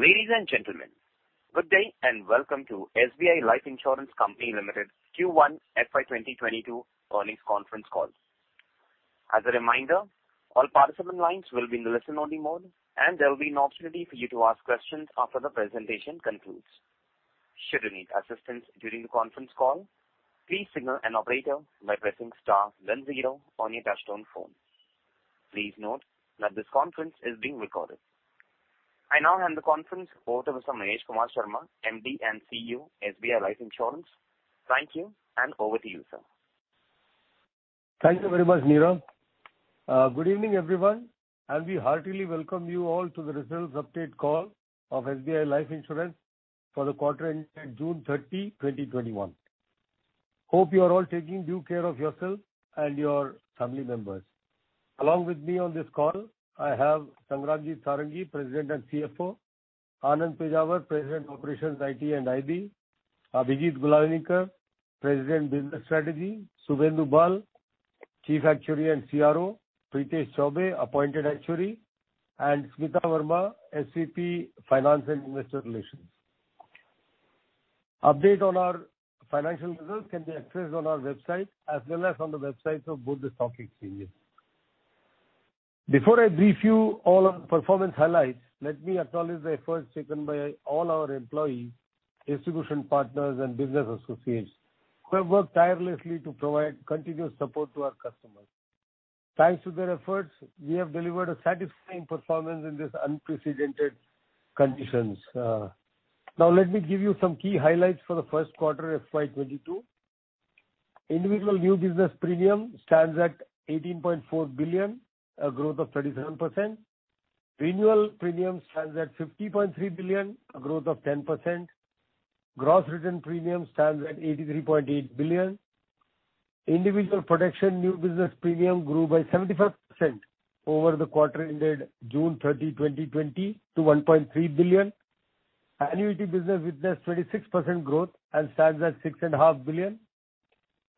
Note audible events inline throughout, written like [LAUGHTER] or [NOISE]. Ladies and gentlemen, good day and welcome to SBI Life Insurance Company Limited Q1 FY 2022 earnings conference call. As a reminder, all participant lines will be in listen only mode, and there will be an opportunity for you to ask questions after the presentation concludes. Should you need assistance during the conference call, please signal an operator by pressing star then zero on your touch-tone phone. Please note that this conference is being recorded. I now hand the conference over to Mr. Mahesh Kumar Sharma, MD & CEO, SBI Life Insurance. Thank you, and over to you, sir. Thank you very much, Neeraj. Good evening, everyone. I'll be heartily welcome you all to the results update call of SBI Life Insurance for the quarter ending June 30, 2021. Hope you are all taking due care of yourself and your family members. Along with me on this call, I have Sangramjit Sarangi, President and CFO. Anand Pejawar, President, Operations, IT and IB. Abhijit Gulanikar, President, Business Strategy. Subhendu Kumar Bal, Chief Actuary and CRO. Prithesh Chaubey, Appointed Actuary, and Smita Verma, SVP, Finance and Investor Relations. Update on our financial results can be accessed on our website as well as on the websites of both the stock exchanges. Before I brief you all on performance highlights, let me acknowledge the efforts taken by all our employees, distribution partners, and business associates who have worked tirelessly to provide continuous support to our customers. Thanks to their efforts, we have delivered a satisfying performance in these unprecedented conditions. Let me give you some key highlights for the first quarter of FY 2022. Individual new business premium stands at 18.4 billion, a growth of 37%. Renewal premium stands at 50.3 billion, a growth of 10%. Gross written premium stands at 83.8 billion. Individual protection new business premium grew by 75% over the quarter ended June 30, 2020, to 1.3 billion. Annuity business witnessed 36% growth and stands at 6.5 billion.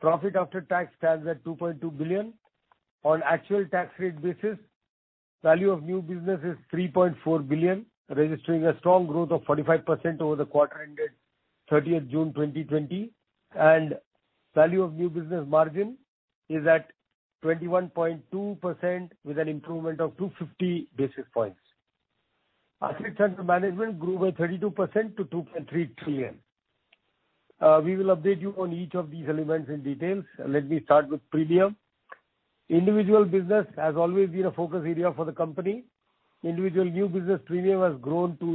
Profit after tax stands at 2.2 billion. On actual tax rate basis, value of new business is 3.4 billion, registering a strong growth of 45% over the quarter ended June 30, 2020, and value of new business margin is at 21.2% with an improvement of 250 basis points. Assets under management grew by 32% to 2.3 trillion. We will update you on each of these elements in details. Let me start with premium. Individual business has always been a focus area for the company. Individual new business premium has grown to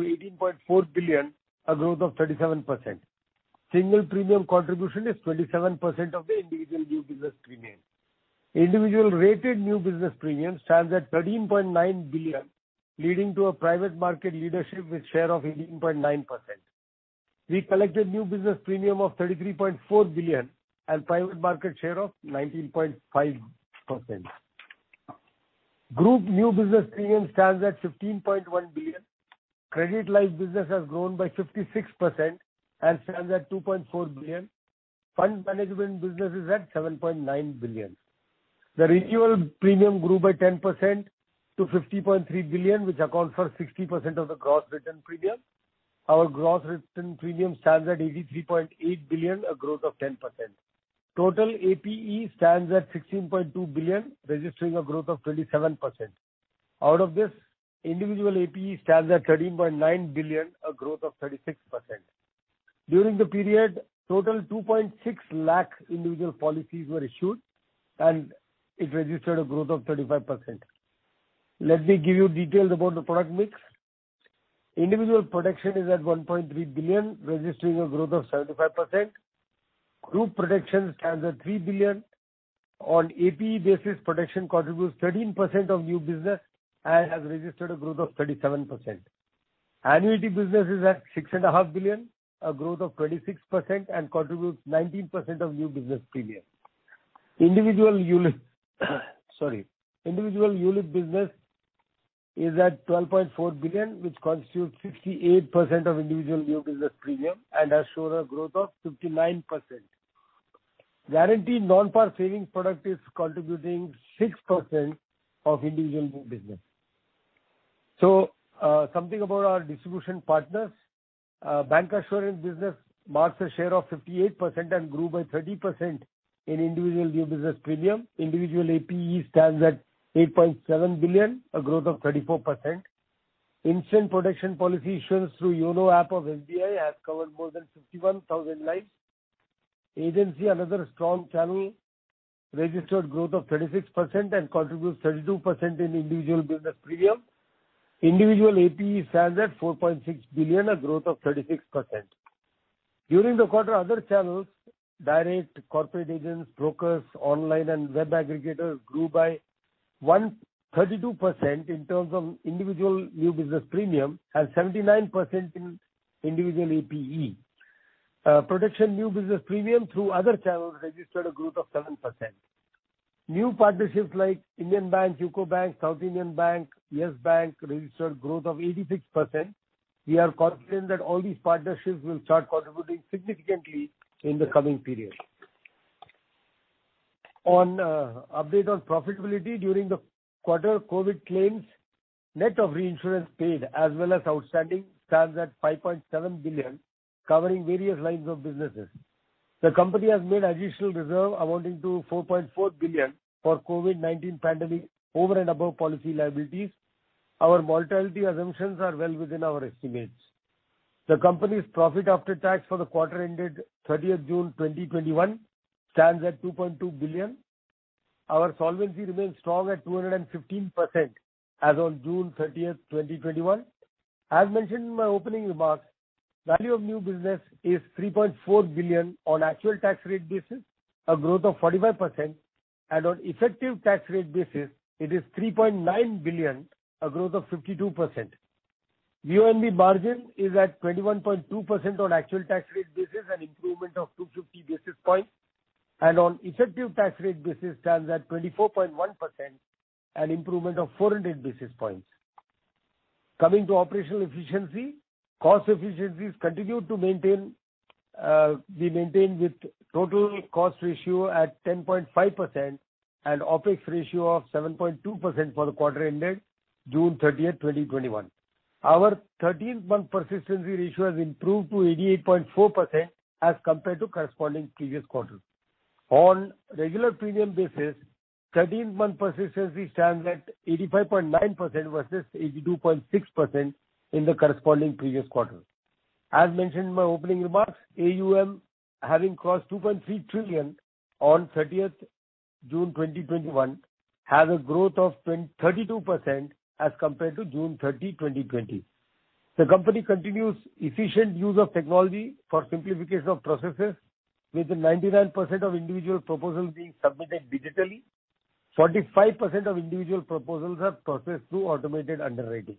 18.4 billion, a growth of 37%. Single premium contribution is 27% of the individual new business premium. Individual rated new business premium stands at 13.9 billion, leading to a private market leadership with share of 18.9%. We collected new business premium of 33.4 billion and private market share of 19.5%. Group new business premium stands at 15.1 billion. Credit Life business has grown by 56% and stands at 2.4 billion. Fund management business is at 7.9 billion. The renewal premium grew by 10% to 50.3 billion, which accounts for 60% of the gross written premium. Our gross written premium stands at 83.8 billion, a growth of 10%. Total APE stands at 16.2 billion, registering a growth of 37%. Out of this, individual APE stands at 13.9 billion, a growth of 36%. During the period, total 2.6 lakh individual policies were issued, and it registered a growth of 35%. Let me give you details about the product mix. Individual protection is at 1.3 billion, registering a growth of 75%. Group protection stands at 3 billion. On APE basis, protection contributes 13% of new business and has registered a growth of 37%. Annuity business is at 6.5 billion, a growth of 26%, and contributes 19% of new business premium. Individual ULIP business is at 12.4 billion, which constitutes 58% of individual new business premium and has shown a growth of 59%. Guaranteed non-PAR savings product is contributing 6% of individual new business. Something about our distribution partners. Bancassurance business marks a share of 58% and grew by 30% in individual new business premium. Individual APE stands at 8.7 billion, a growth of 34%. Instant protection policy issuance through YONO app of SBI has covered more than 51,000 lives. Agency, another strong channel, registered growth of 36% and contributes 32% in individual business premium. Individual APE stands at 4.6 billion, a growth of 36%. During the quarter, other channels, direct corporate agents, brokers, online and web aggregators grew by 132% in terms of individual new business premium and 79% in individual APE. Protection new business premium through other channels registered a growth of 7%. New partnerships like Indian Bank, UCO Bank, South Indian Bank, Yes Bank registered growth of 86%. We are confident that all these partnerships will start contributing significantly in the coming period. On update on profitability during the quarter, COVID claims net of reinsurance paid as well as outstanding stands at 5.7 billion, covering various lines of businesses. The company has made additional reserve amounting to 4.4 billion for COVID-19 pandemic over and above policy liabilities. Our mortality assumptions are well within our estimates. The company's profit after tax for the quarter ended June 30th, 2021 stands at 2.2 billion. Our solvency remains strong at 215% as on June 30th, 2021. As mentioned in my opening remarks, value of new business is 3.4 billion on actual tax rate basis, a growth of 45%, and on effective tax rate basis, it is 3.9 billion, a growth of 52%. VNB margin is at 21.2% on actual tax rate basis and improvement of 250 basis points, and on effective tax rate basis stands at 24.1%, an improvement of 400 basis points. Coming to operational efficiency, cost efficiencies we maintain with total cost ratio at 10.5% and OPEX ratio of 7.2% for the quarter ended June 30, 2021. Our 13-month persistency ratio has improved to 88.4% as compared to corresponding previous quarter. On regular premium basis, 13-month persistency stands at 85.9% versus 82.6% in the corresponding previous quarter. As mentioned in my opening remarks, AUM having crossed 2.3 trillion on June 30, 2021, has a growth of 32% as compared to June 30, 2020. The company continues efficient use of technology for simplification of processes, with 99% of individual proposals being submitted digitally. 45% of individual proposals are processed through automated underwriting.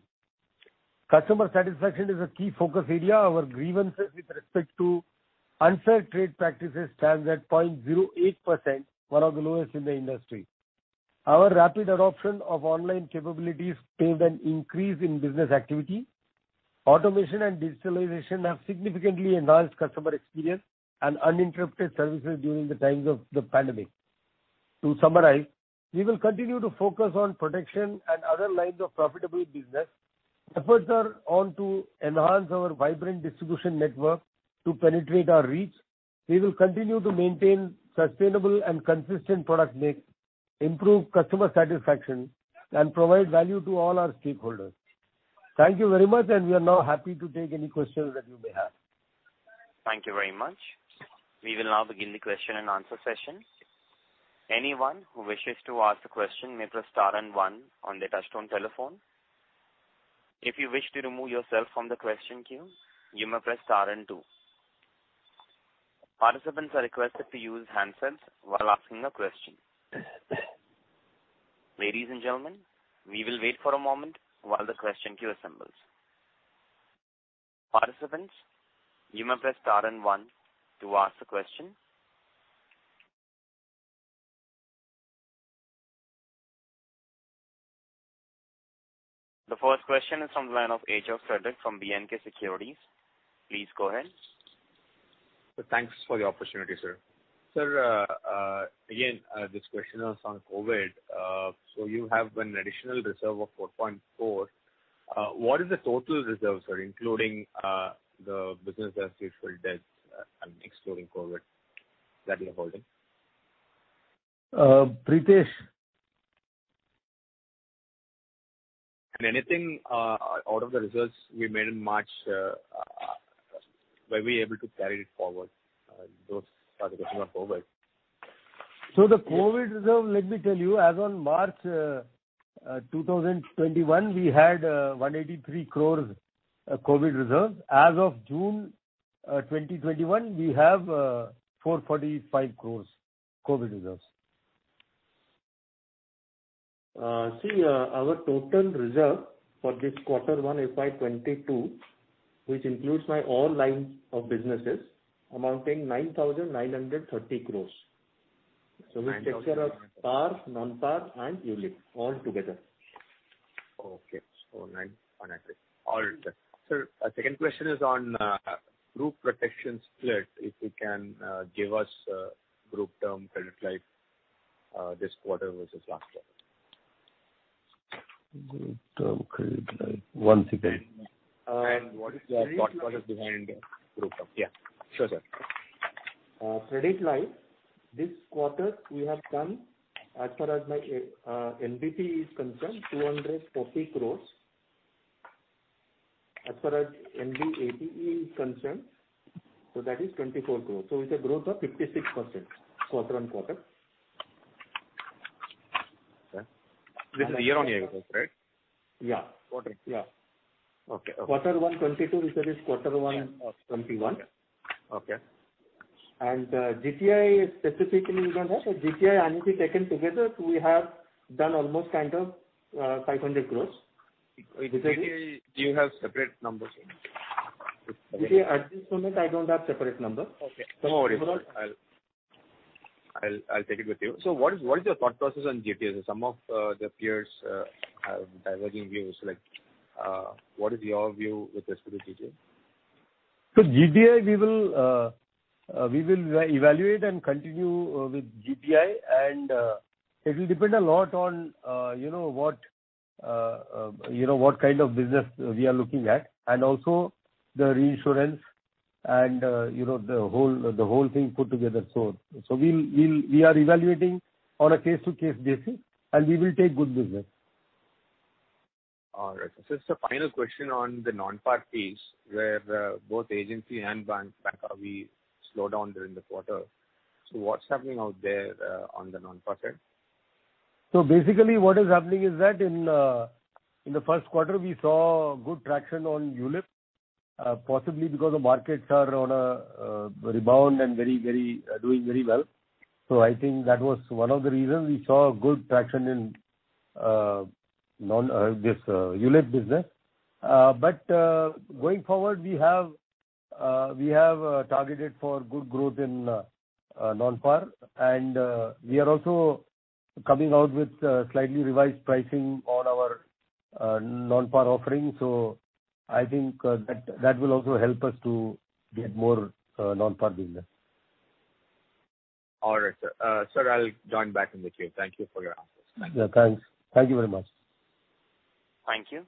Customer satisfaction is a key focus area. Our grievances with respect to unfair trade practices stands at 0.08%, one of the lowest in the industry. Our rapid adoption of online capabilities paved an increase in business activity. Automation and digitalization have significantly enhanced customer experience and uninterrupted services during the times of the pandemic. To summarize, we will continue to focus on protection and other lines of profitable business. Efforts are on to enhance our vibrant distribution network to penetrate our reach. We will continue to maintain sustainable and consistent product mix, improve customer satisfaction, and provide value to all our stakeholders. Thank you very much, and we are now happy to take any questions that you may have. Thank you very much. We will now begin the question and answer session. Anyone who wishes to ask a question may press star and one on their touchtone telephone. If you wish to remove yourself from the question queue, you may press star and two. Participants are requested to use handsets while asking a question. Ladies and gentlemen, we will wait for a moment while the question queue assembles. Participants, you may press star and one to ask the question. The first question is from the line of AJ Frederick from BNK Securities. Please go ahead. Thanks for the opportunity, sir. Sir, again, this question is on COVID. You have an additional reserve of 4.4. What is the total reserve, sir, including the business as usual debts and excluding COVID that you're holding? Prithesh. Anything out of the reserves we made in March, were we able to carry it forward, those for the question of COVID? The COVID reserve, let me tell you, as on March 2021, we had 183 crores COVID reserves. As of June 2021, we have 445 crores COVID reserves. Our total reserve for this quarter one FY 2022, which includes my all lines of businesses, amounting 9,930 crores. Which takes care of PAR, non-PAR, and ULIP all together. Okay. INR 900 all together. Sir, second question is on group protection split. If you can give us group term Credit Life this quarter versus last quarter. Group term Credit Life. One second. What is your thought process behind group term? Yeah. Sure, sir. Credit Life, this quarter we have done, as far as my NBP is concerned, 240 crores. As far as NBAPE is concerned, that is 24 crores. It's a growth of 56% quarter-on-quarter. Okay. This is year-on-year growth, right? Yeah. Quarter. Yeah. Okay. Quarter one 2022 versus quarter one of 2021. Okay. GTL specifically we don't have. GTL and NBP taken together, we have done almost kind of 500 crores. Do you have separate numbers for me? At this moment, I don't have separate numbers. Okay. No worries. I'll take it with you. What is your thought process on GTL? Some of the peers have diverging views. What is your view with respect to GTL? GTI, we will evaluate and continue with GTI. It will depend a lot on what kind of business we are looking at and also the reinsurance and the whole thing put together. We are evaluating on a case-to-case basis, and we will take good business. All right. Sir, final question on the non-PAR piece where both agency and bancassurance are slow down during the quarter. What's happening out there on the non-PAR side? Basically, what is happening is that in the first quarter, we saw good traction on ULIP, possibly because the markets are on a rebound and doing very well. I think that was one of the reasons we saw good traction in this ULIP business. Going forward, we have targeted for good growth in non-PAR and we are also coming out with slightly revised pricing on our non-PAR offerings. I think that will also help us to get more non-PAR business. All right, sir. Sir, I'll join back in the queue. Thank you for your answers. Yeah, thanks. Thank you very much. Thank you.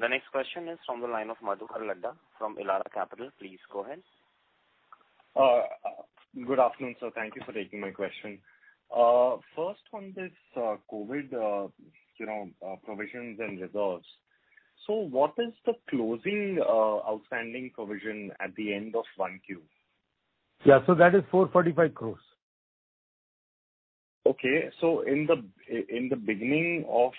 The next question is from the line of Madhukar Ladda from Elara Capital. Please go ahead. Good afternoon, sir. Thank you for taking my question. First, on this COVID provisions and reserves. What is the closing outstanding provision at the end of 1Q? Yeah. That is 445 crores. In the beginning of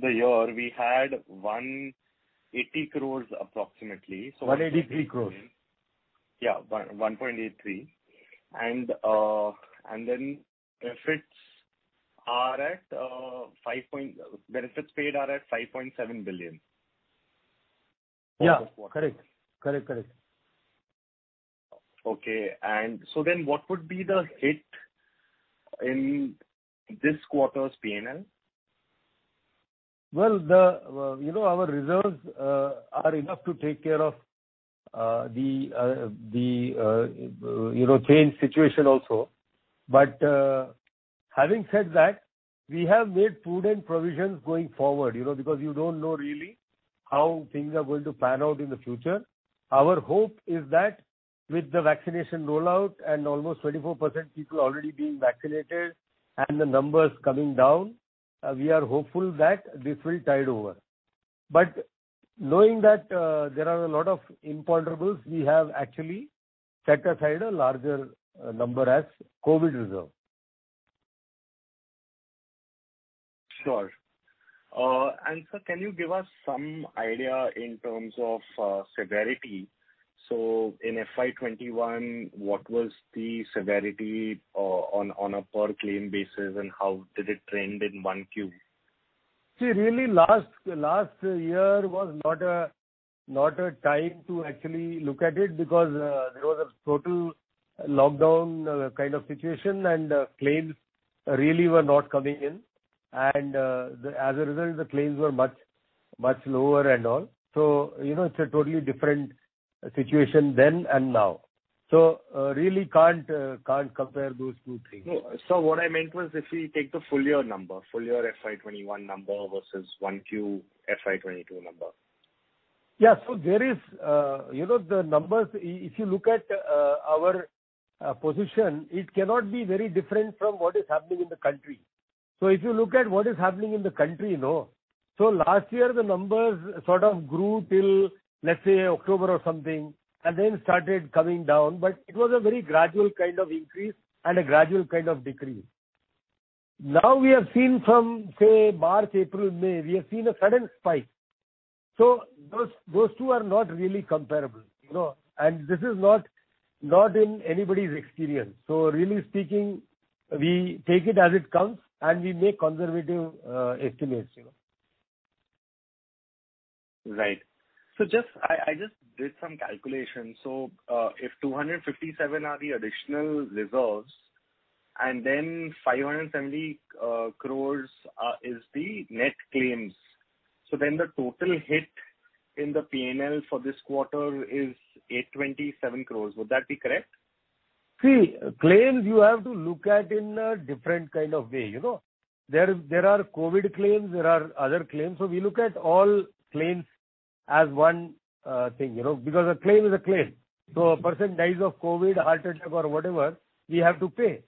the year, we had 180 crore approximately. 183 crores. Yeah, 1.83. Benefits paid are at 5.7 billion. Yeah. Correct. Okay. What would be the hit in this quarter's P&L? Well, our reserves are enough to take care of the change situation also. Having said that, we have made prudent provisions going forward because you don't know really how things are going to pan out in the future. Our hope is that with the vaccination rollout and almost 24% people already being vaccinated and the numbers coming down, we are hopeful that this will tide over. Knowing that there are a lot of imponderables, we have actually set aside a larger number as COVID reserve. Sure. Sir, can you give us some idea in terms of severity? In FY 2021, what was the severity on a per claim basis and how did it trend in 1Q? See, really last year was not a time to actually look at it because there was a total lockdown kind of situation and claims really were not coming in. As a result, the claims were much lower and all. It's a totally different situation then and now. Really can't compare those two things. Sir, what I meant was if we take the full year number, full year FY 2021 number versus 1Q FY 2022 number. Yeah. The numbers, if you look at our position, it cannot be very different from what is happening in the country. If you look at what is happening in the country, last year the numbers sort of grew till, let's say, October or something and then started coming down. It was a very gradual kind of increase and a gradual kind of decrease. Now we have seen from, say, March, April, May, we have seen a sudden spike. Those two are not really comparable and this is not in anybody's experience. Really speaking, we take it as it comes and we make conservative estimates. Right. I just did some calculations. If 257 are the additional reserves and then 570 crores is the net claims, so then the total hit in the P&L for this quarter is 827 crores. Would that be correct? Claims you have to look at in a different kind of way. There are COVID claims, there are other claims. We look at all claims as one thing because a claim is a claim. A person dies of COVID, heart attack or whatever, we have to pay.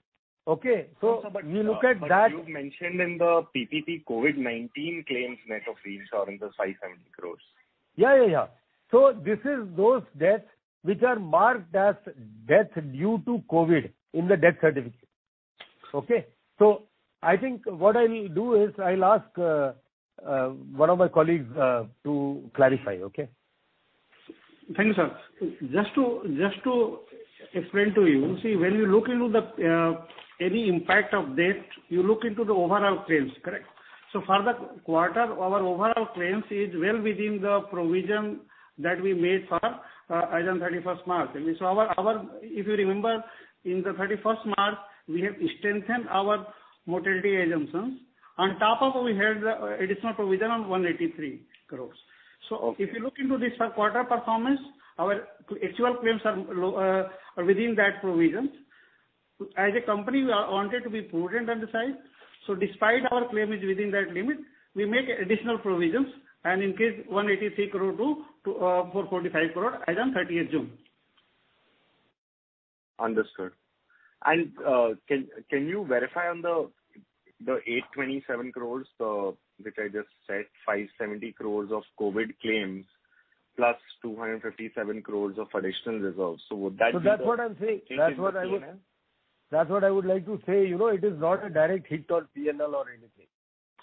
Okay. You mentioned in the PPT COVID-19 claims net of reinsurance of 570 crores. Yeah. This is those deaths which are marked as death due to COVID in the death certificate. Okay? I think what I'll do is I'll ask one of my colleagues to clarify. Okay? Thank you, sir. Just to explain to you. When you look into any impact of death, you look into the overall claims, correct? For the quarter, our overall claims is well within the provision that we made for as on 31st March. If you remember, in the 31st March, we have strengthened our mortality assumptions. On top of what we had, additional provision on 183 crore. If you look into this quarter performance, our actual claims are within that provision. As a company, we wanted to be prudent on the side. Despite our claim is within that limit, we make additional provisions and increase 183 crore to 445 crore as on 30th June. Understood. Can you verify on the 827 crores, which I just said, 570 crores of COVID claims plus 257 crores of additional reserves. That's what I would like to say. It is not a direct hit on P&L or anything.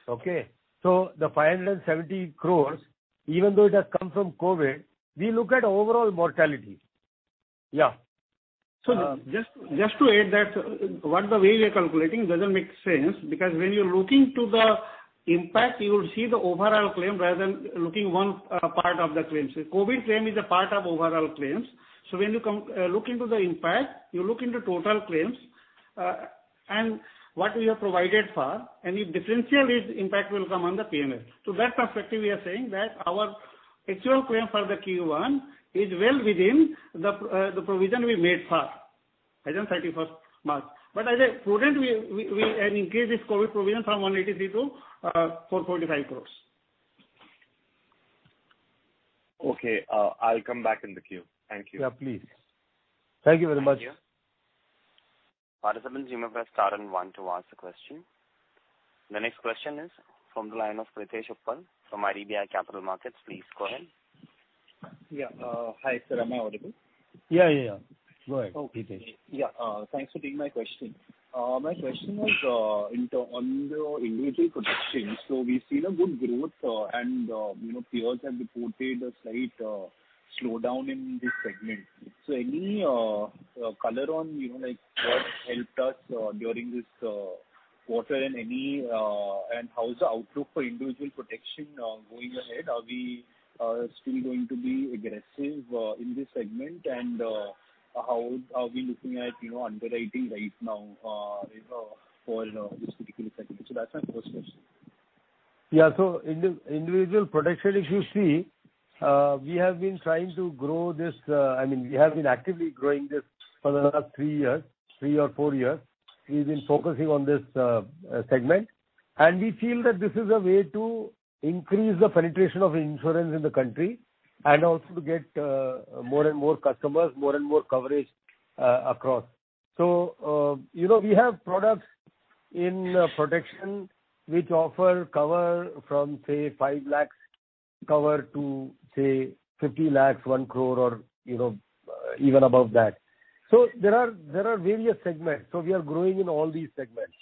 Okay. The 570 crores, even though it has come from COVID, we look at overall mortality. Yeah. Just to add that what the way we are calculating doesn't make sense, because when you're looking to the impact, you would see the overall claim rather than looking one part of the claim. COVID claim is a part of overall claims. When you look into the impact, you look into total claims, and what we have provided for, any differential is impact will come on the P&L. To that perspective, we are saying that our actual claim for the Q1 is well within the provision we made for as on 31st March. As a prudent, we have increased this COVID provision from 183 to 445 crores. Okay. I'll come back in the queue. Thank you. Yeah, please. Thank you very much. Thank you. Participant GMFS Karan want to ask the question. The next question is from the line of Ritesh Uppal from IDBI Capital Markets. Please go ahead. Yeah. Hi, sir. Am I audible? Yeah. Go ahead, Ritesh. Okay. Yeah. Thanks for taking my question. My question is on the individual protection. We've seen a good growth and peers have reported a slight slowdown in this segment. Any color on what helped us during this quarter and how is the outlook for individual protection going ahead? Are we still going to be aggressive in this segment, and how are we looking at underwriting right now for this particular segment? That's my first question. Yeah. Individual protection, if you see, we have been actively growing this for the last three or four years. We've been focusing on this segment, and we feel that this is a way to increase the penetration of insurance in the country and also to get more and more customers, more and more coverage across. We have products in protection which offer cover from, say, 5 lakhs cover to, say, 50 lakhs, 1 crore or even above that. There are various segments. We are growing in all these segments.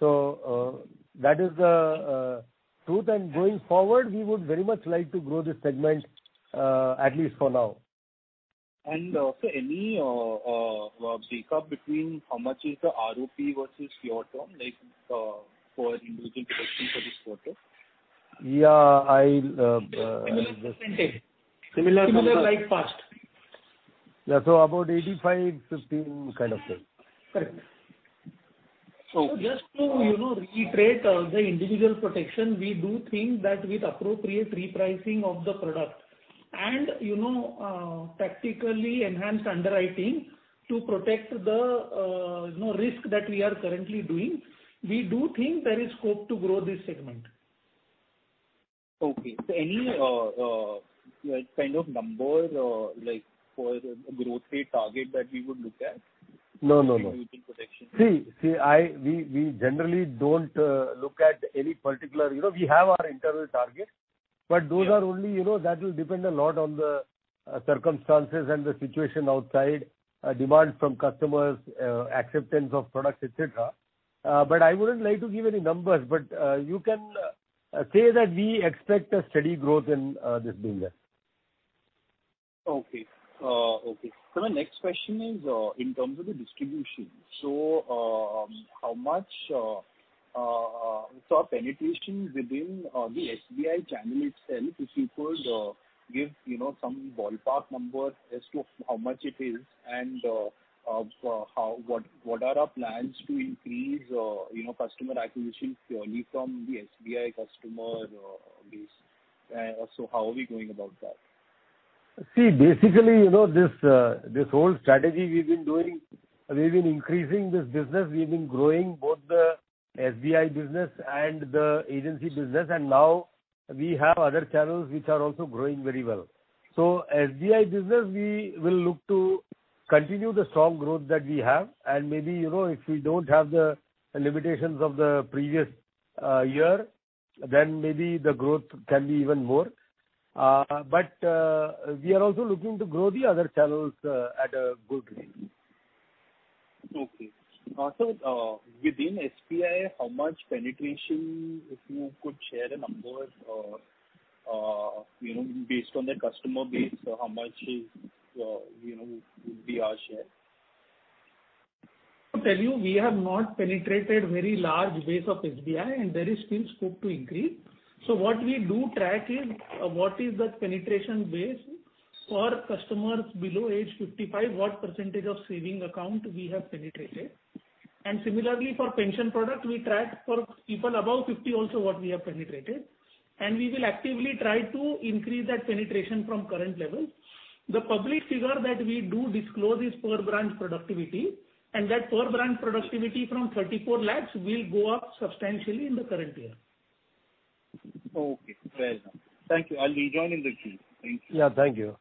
That is the truth. Going forward, we would very much like to grow this segment, at least for now. Also any breakup between how much is the ROP versus your term, like, for individual protection for this quarter? Yeah. Similar percentage. Similar like past. Yeah. About 85/15 kind of thing. Correct. Just to reiterate the individual protection, we do think that with appropriate repricing of the product and tactically enhanced underwriting to protect the risk that we are currently doing, we do think there is scope to grow this segment. Okay. Any kind of numbers, like, for a growth rate target that we would look at- No.... in individual protection. We generally don't look at any particular. We have our internal target, but those are only, that will depend a lot on the circumstances and the situation outside, demand from customers, acceptance of products, et cetera. I wouldn't like to give any numbers, but you can say that we expect a steady growth in this business. Okay. Sir, my next question is in terms of the distribution. How much is our penetration within the SBI channel itself, if you could give some ballpark number as to how much it is, and what are our plans to increase customer acquisition purely from the SBI customer base? Also, how are we going about that? See, basically, this whole strategy we've been doing, we've been increasing this business. We've been growing both the SBI business and the agency business, and now we have other channels which are also growing very well. SBI business, we will look to continue the strong growth that we have, and maybe if we don't have the limitations of the previous year, then maybe the growth can be even more. We are also looking to grow the other channels at a good rate. Okay. Also, within SBI, how much penetration, if you could share a number based on their customer base, how much would be our share? Tell you, we have not penetrated very large base of SBI, and there is still scope to increase. What we do track is what is the penetration base. For customers below age 55, what percentage of savings account we have penetrated. Similarly, for pension product, we track for people above 50 also what we have penetrated. We will actively try to increase that penetration from current level. The public figure that we do disclose is per branch productivity, and that per branch productivity from 34 lakhs will go up substantially in the current year. Okay. Well done. Thank you. I'll rejoin in the queue. Thank you. Yeah, thank you.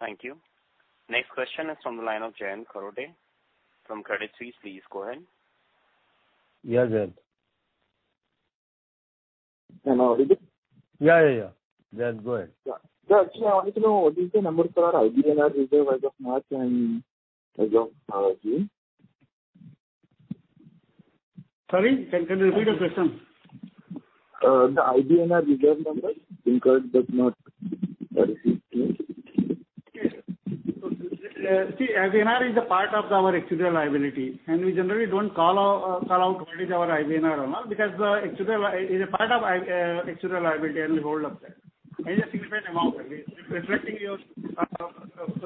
Thank you. Next question is from the line of Jayant Kharote from Credit Suisse. Please go ahead. Yes. Am I audible? Yeah. Jayant, go ahead. Yeah. Actually, I wanted to know what is the number for our IBNR reserve as of March and as of now actually? Sorry, can you repeat the question? The IBNR reserve numbers incurred but not. See, IBNR is a part of our actuarial liability, and we generally don't call out what is our IBNR or not because it's a part of actuarial liability and we hold up there. It is a significant amount reflecting your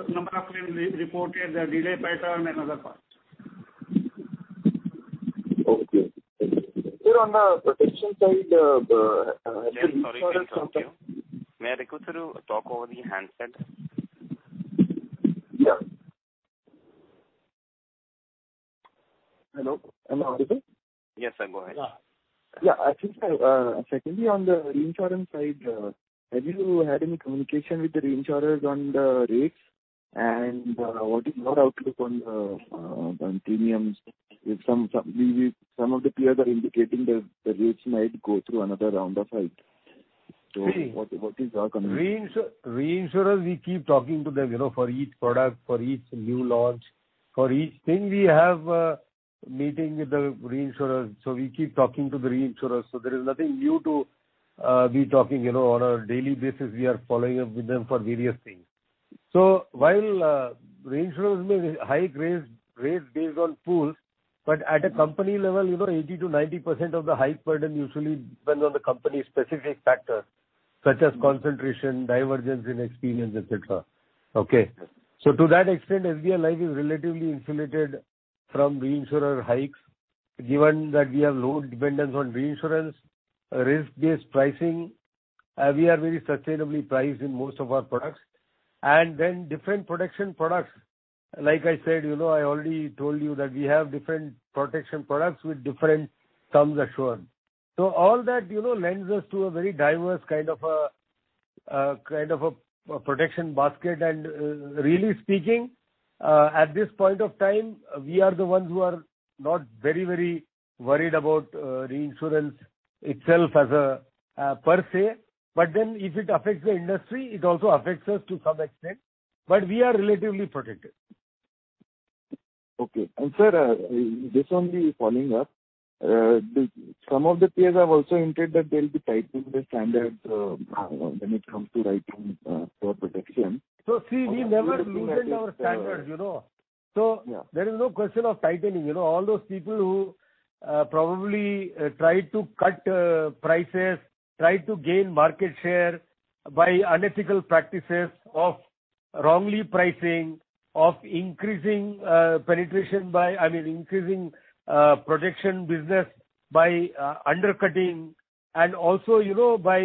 number of claims reported, the delay pattern, and other parts. Okay. Thank you. Sir, on the protection side. Jayant, sorry to interrupt you. May I request you to talk over the handset? Yeah. Hello, am I audible? Yes, go ahead. Yeah. Actually, sir, secondly, on the reinsurance side, have you had any communication with the reinsurers on the rates and what is your outlook on the premiums? Some of the peers are indicating that the rates might go through another round of hike. What is your comment on that? Reinsurer, we keep talking to them, for each product, for each new launch, for each thing we have a meeting with the reinsurers. We keep talking to the reinsurers. There is nothing new to we talking on a daily basis, we are following up with them for various things. While reinsurers may hike rates based on pools, but at a company level, 80%-90% of the hike burden usually depends on the company's specific factors such as concentration, divergence in experience, et cetera. Okay. To that extent, SBI Life is relatively insulated from reinsurer hikes, given that we have low dependence on reinsurance, risk-based pricing. We are very sustainably priced in most of our products. Different protection products. Like I said, I already told you that we have different protection products with different sums assured. All that lends us to a very diverse kind of a protection basket. Really speaking, at this point of time, we are the ones who are not very worried about reinsurance itself per se. If it affects the industry, it also affects us to some extent. We are relatively protected. Okay. Sir, just only following up. Some of the peers have also hinted that they'll be tightening the standards when it comes to writing for protection. See, we never loosened our standards. There is no question of tightening. All those people who probably tried to cut prices, tried to gain market share by unethical practices of wrongly pricing, of increasing penetration by, I mean, increasing protection business by undercutting, and also by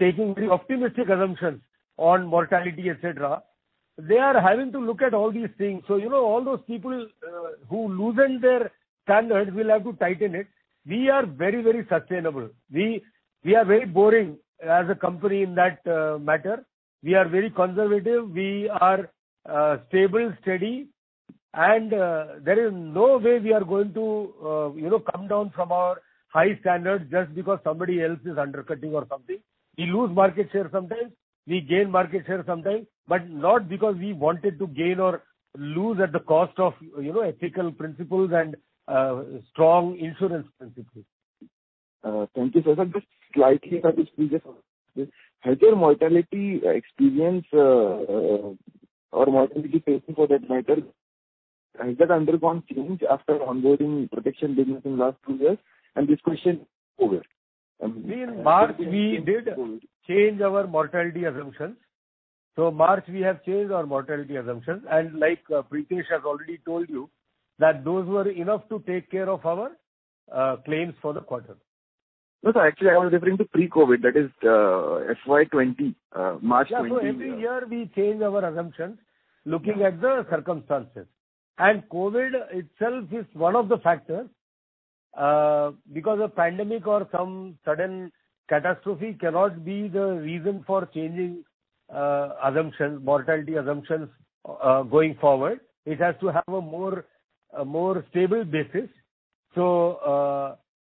taking very optimistic assumptions on mortality, et cetera. They are having to look at all these things. All those people who loosened their standards will have to tighten it. We are very sustainable. We are very boring as a company in that matter. We are very conservative. We are stable, steady, and there is no way we are going to come down from our high standards just because somebody else is undercutting or something. We lose market share sometimes, we gain market share sometimes, but not because we wanted to gain or lose at the cost of ethical principles and strong insurance principles. Thank you, sir. Just slightly previous. Has your mortality experience or mortality facing for that matter, has that undergone change after onboarding protection business in last two years? This question, COVID. In March, we did change our mortality assumptions. March, we have changed our mortality assumptions. Like Prithesh has already told you, that those were enough to take care of our claims for the quarter. No, sir. Actually, I was referring to pre-COVID, that is FY 2020, March 2020. Yeah. Every year we change our assumptions looking at the circumstances. COVID itself is one of the factors, because a pandemic or some sudden catastrophe cannot be the reason for changing assumptions, mortality assumptions going forward. It has to have a more stable basis.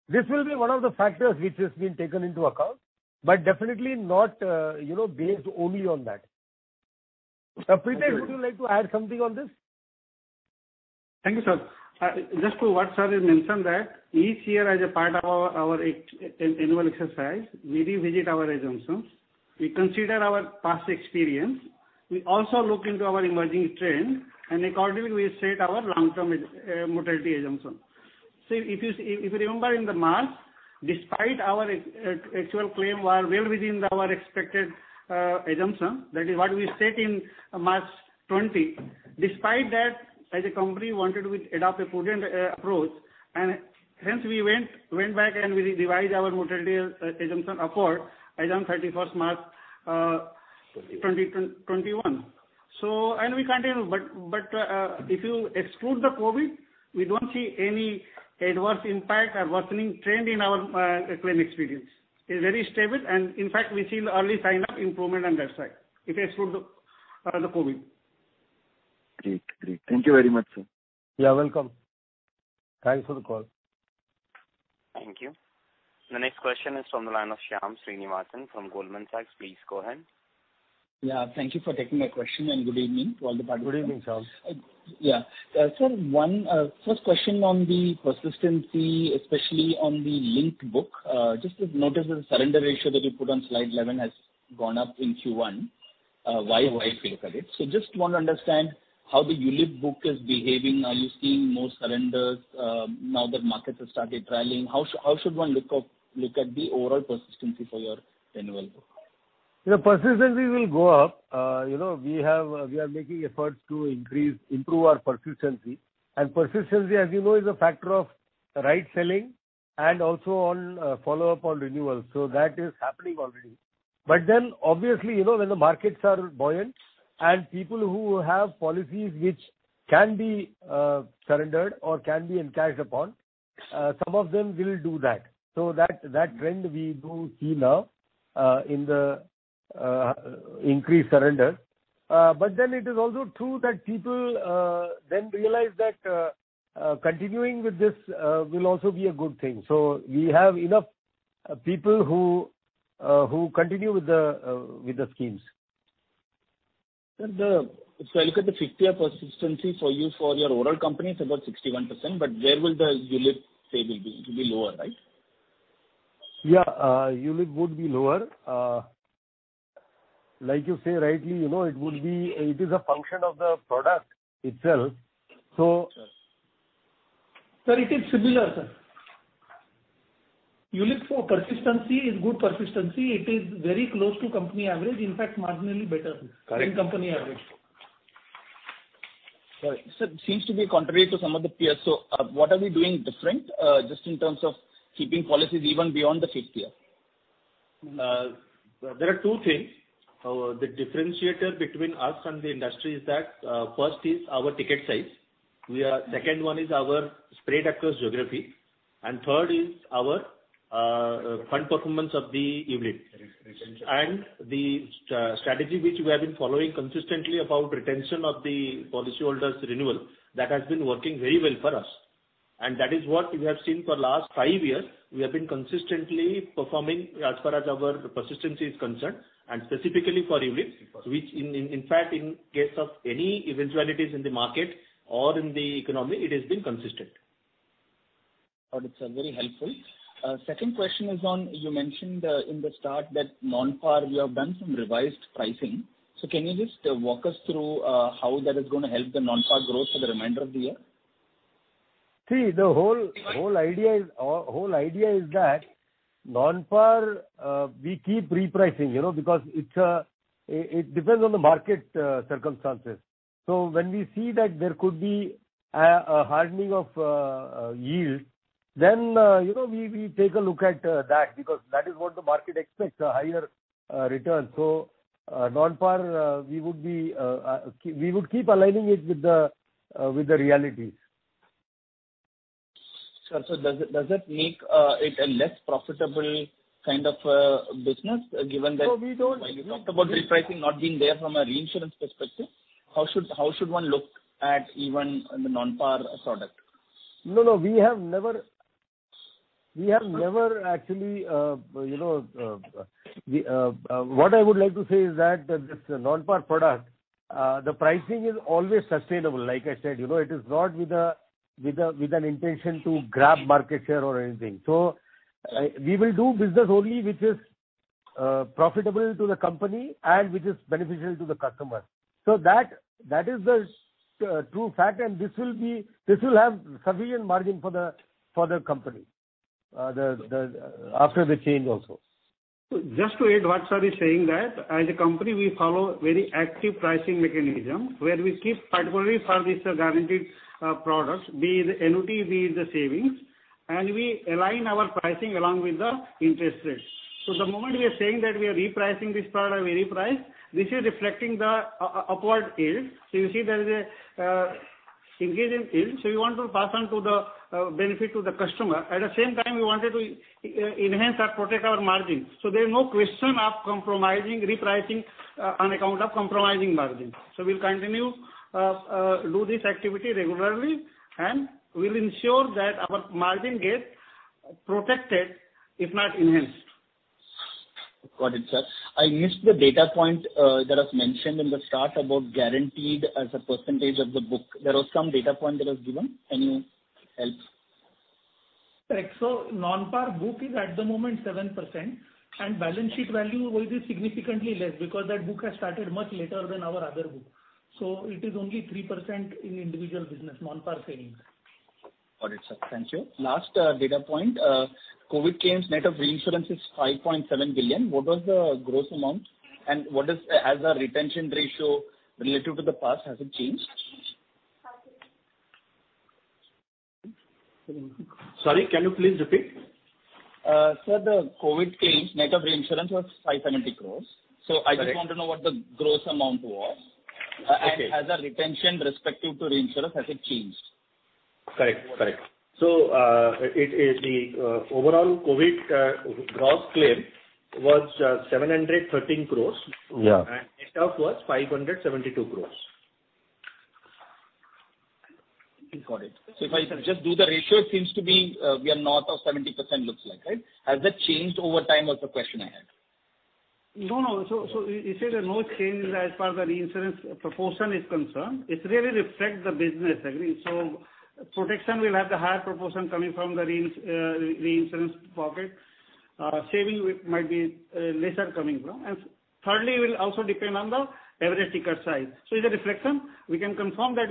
This will be one of the factors which has been taken into account, but definitely not based only on that. Prithesh, would you like to add something on this? Thank you, sir. Just to what sir has mentioned that each year as a part of our annual exercise, we revisit our assumptions. We consider our past experience. We also look into our emerging trend. Accordingly, we set our long-term mortality assumption. If you remember in the March, despite our actual claim was well within our expected assumption, that is what we set in March 2020. Despite that, as a company we wanted to adopt a prudent approach. Hence we went back and we revised our mortality assumption upward as on 31st March, 2021. We continue. If you exclude the COVID, we don't see any adverse impact or worsening trend in our claim experience. It's very stable. In fact we see early sign of improvement on that side. If you exclude the COVID. Great. Thank you very much, sir. You are welcome. Thanks for the call. Thank you. The next question is from the line of Shyam Srinivasan from Goldman Sachs. Please go ahead. Yeah. Thank you for taking my question and good evening to all the participants. Good evening, Shyam. Yeah. Sir, first question on the persistency, especially on the linked book. Just noticed the surrender ratio that you put on Slide 11 has gone up in Q1. Why it's like that? Just want to understand how the ULIP book is behaving. Are you seeing more surrenders now that markets have started rallying? How should one look at the overall persistency for your annual book? The persistency will go up. We are making efforts to improve our persistency. Persistency, as you know, is a factor of right selling and also on follow-up on renewals. That is happening already. Obviously, when the markets are buoyant and people who have policies which can be surrendered or can be encashed upon, some of them will do that. That trend we do see now in the increased surrender. It is also true that people then realize that continuing with this will also be a good thing. We have enough people who continue with the schemes. Sir, if I look at the fifth year persistency for your overall company, it's about 61%. Where will the ULIP say will be? It will be lower, right? Yeah. ULIP would be lower. Like you say, rightly, it is a function of the product itself. Sir, it is similar, sir. ULIP for persistency is good persistency. It is very close to company average. In fact, marginally better, sir- Correct.... than company average. Sorry. Sir, it seems to be contrary to some of the peers. What are we doing different, just in terms of keeping policies even beyond the fifth year? There are two things. The differentiator between us and the industry is that, first is our ticket size. Second one is our spread across geography, third is our fund performance of the ULIP. The strategy which we have been following consistently about retention of the policyholders' renewal. That has been working very well for us. That is what we have seen for last five years. We have been consistently performing as far as our persistency is concerned, and specifically for ULIP, which in fact in case of any eventualities in the market or in the economy, it has been consistent. Got it, sir. Very helpful. Second question is on, you mentioned in the start that non-PAR you have done some revised pricing. Can you just walk us through how that is going to help the non-PAR growth for the remainder of the year? The whole idea is that non-PAR, we keep repricing, because it depends on the market circumstances. When we see that there could be a hardening of yield, then we take a look at that because that is what the market expects, a higher return. Non-PAR, we would keep aligning it with the realities. Sir, does that make it a less profitable kind of business? No, we don't. You talked about repricing not being there from a reinsurance perspective. How should one look at even the non-PAR product? What I would like to say is that this non-PAR product, the pricing is always sustainable. Like I said, it is not with an intention to grab market share or anything. We will do business only which is profitable to the company and which is beneficial to the customer. That is the true fact, and this will have sufficient margin for the company after the change also. Just to add what sir is saying that as a company, we follow very active pricing mechanism where we keep particularly for this guaranteed products, be it the annuity, be it the savings, and we align our pricing along with the interest rates. The moment we are saying that we are repricing this product, this is reflecting the upward yield. You see there is an increase in yield, we want to pass on to the benefit to the customer. At the same time, we wanted to enhance or protect our margin. There's no question of compromising repricing on account of compromising margin. We'll continue do this activity regularly, and we'll ensure that our margin gets protected, if not enhanced. Got it, sir. I missed the data point that was mentioned in the start about guaranteed as a percentage of the book. There was some data point that was given. Any help? Correct. Non-PAR book is at the moment 7%, and balance sheet value will be significantly less because that book has started much later than our other book. It is only 3% in individual business, non-PAR savings. Got it, sir. Thank you. Last data point. COVID claims net of reinsurance is 5.7 billion. What was the gross amount? Has the retention ratio relative to the past, has it changed? Sorry, can you please repeat? Sir, the COVID claims net of reinsurance was 570 crores. Correct. I just want to know what the gross amount was. Okay. Has the retention respective to reinsurers, has it changed? Correct. The overall COVID gross claim was 713 crores. Yeah. Net off was 572 crores. Got it. If I just do the ratio, it seems to be we are north of 70% looks like, right? Has that changed over time was the question I had. No. You say there are no changes as far the reinsurance proportion is concerned. It really reflects the business. Protection will have the higher proportion coming from the reinsurance profit. Saving might be lesser coming from. Thirdly, it will also depend on the average ticket size. It's a reflection. We can confirm that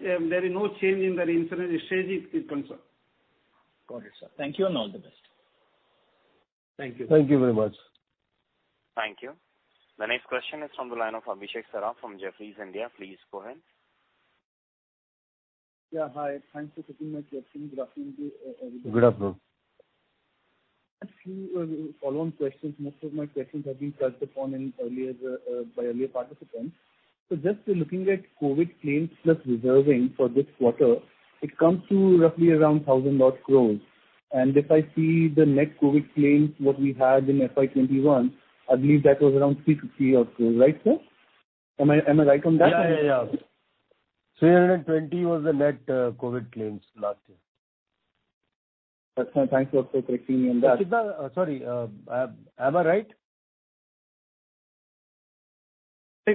there is no change in the reinsurance as it is concerned. Got it, sir. Thank you and all the best. Thank you. Thank you very much. Thank you. The next question is from the line of Abhishek Saraf from Jefferies India. Please go ahead. Yeah, hi. Thanks for taking my question. Good afternoon to everybody. Good afternoon. A few follow-on questions. Most of my questions have been touched upon by earlier participants. Just looking at COVID claims plus reserving for this quarter, it comes to roughly around 1,000 odd crores. If I see the net COVID claims, what we had in FY 2021, I believe that was around 350 odd crores. Right, sir? Am I right on that number? Yeah. 320 was the net COVID claims last year. That's fine. Thank you for correcting me on that. Sorry, am I right?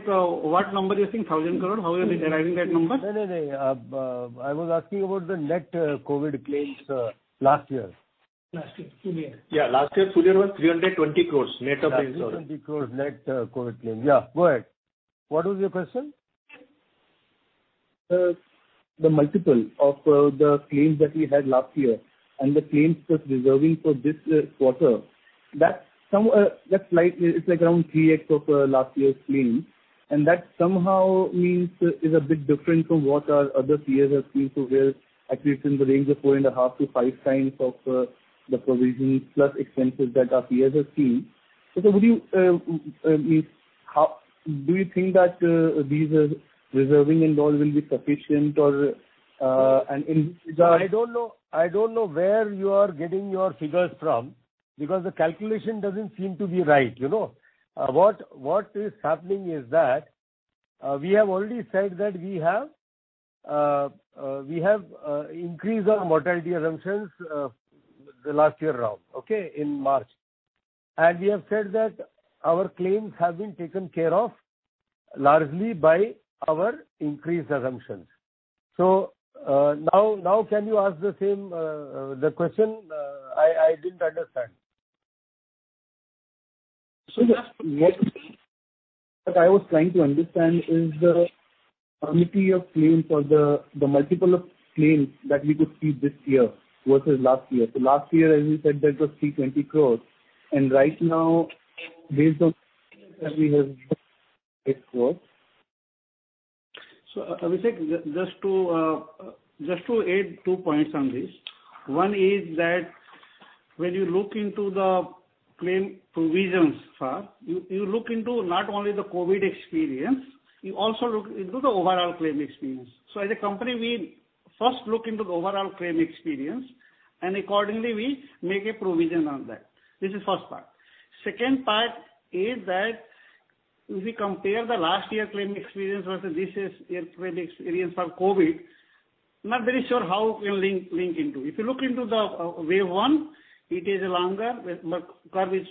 What number you're saying, 1,000 crore? How are you arriving that number? No. I was asking about the net COVID claims last year. Last year, full year. Yeah, last year full year was 320 crores net of claims, sorry. 320 crores net COVID claim. Yeah, go ahead. What was your question? The multiple of the claims that we had last year and the claims plus reserving for this quarter, it's around 3x of last year's claim. That somehow means is a bit different from what our other peers have seen, where at least in the range of 4.5x-5x of the provisions plus expenses that our peers have seen. Do you think that these reserving and all will be sufficient? I don't know where you are getting your figures from because the calculation doesn't seem to be right. What is happening is that we have already said that we have increased our mortality assumptions the last year around, okay, in March. We have said that our claims have been taken care of largely by our increased assumptions. Now can you ask the question? I didn't understand. What I was trying to understand is the quantity of claim for the multiple of claims that we could see this year versus last year. Last year, as you said, that was 320 crores, and right now, based on claims that we have it was. Abhishek, just to add two points on this. One is that when you look into the claim provisions, sir, you look into not only the COVID-19 experience, you also look into the overall claim experience. As a company, we first look into the overall claim experience, and accordingly, we make a provision on that. This is first part. Second part is that if we compare the last year claim experience versus this year claim experience for COVID-19, I'm not very sure how we'll link into. If you look into the wave one, it is longer but the curve is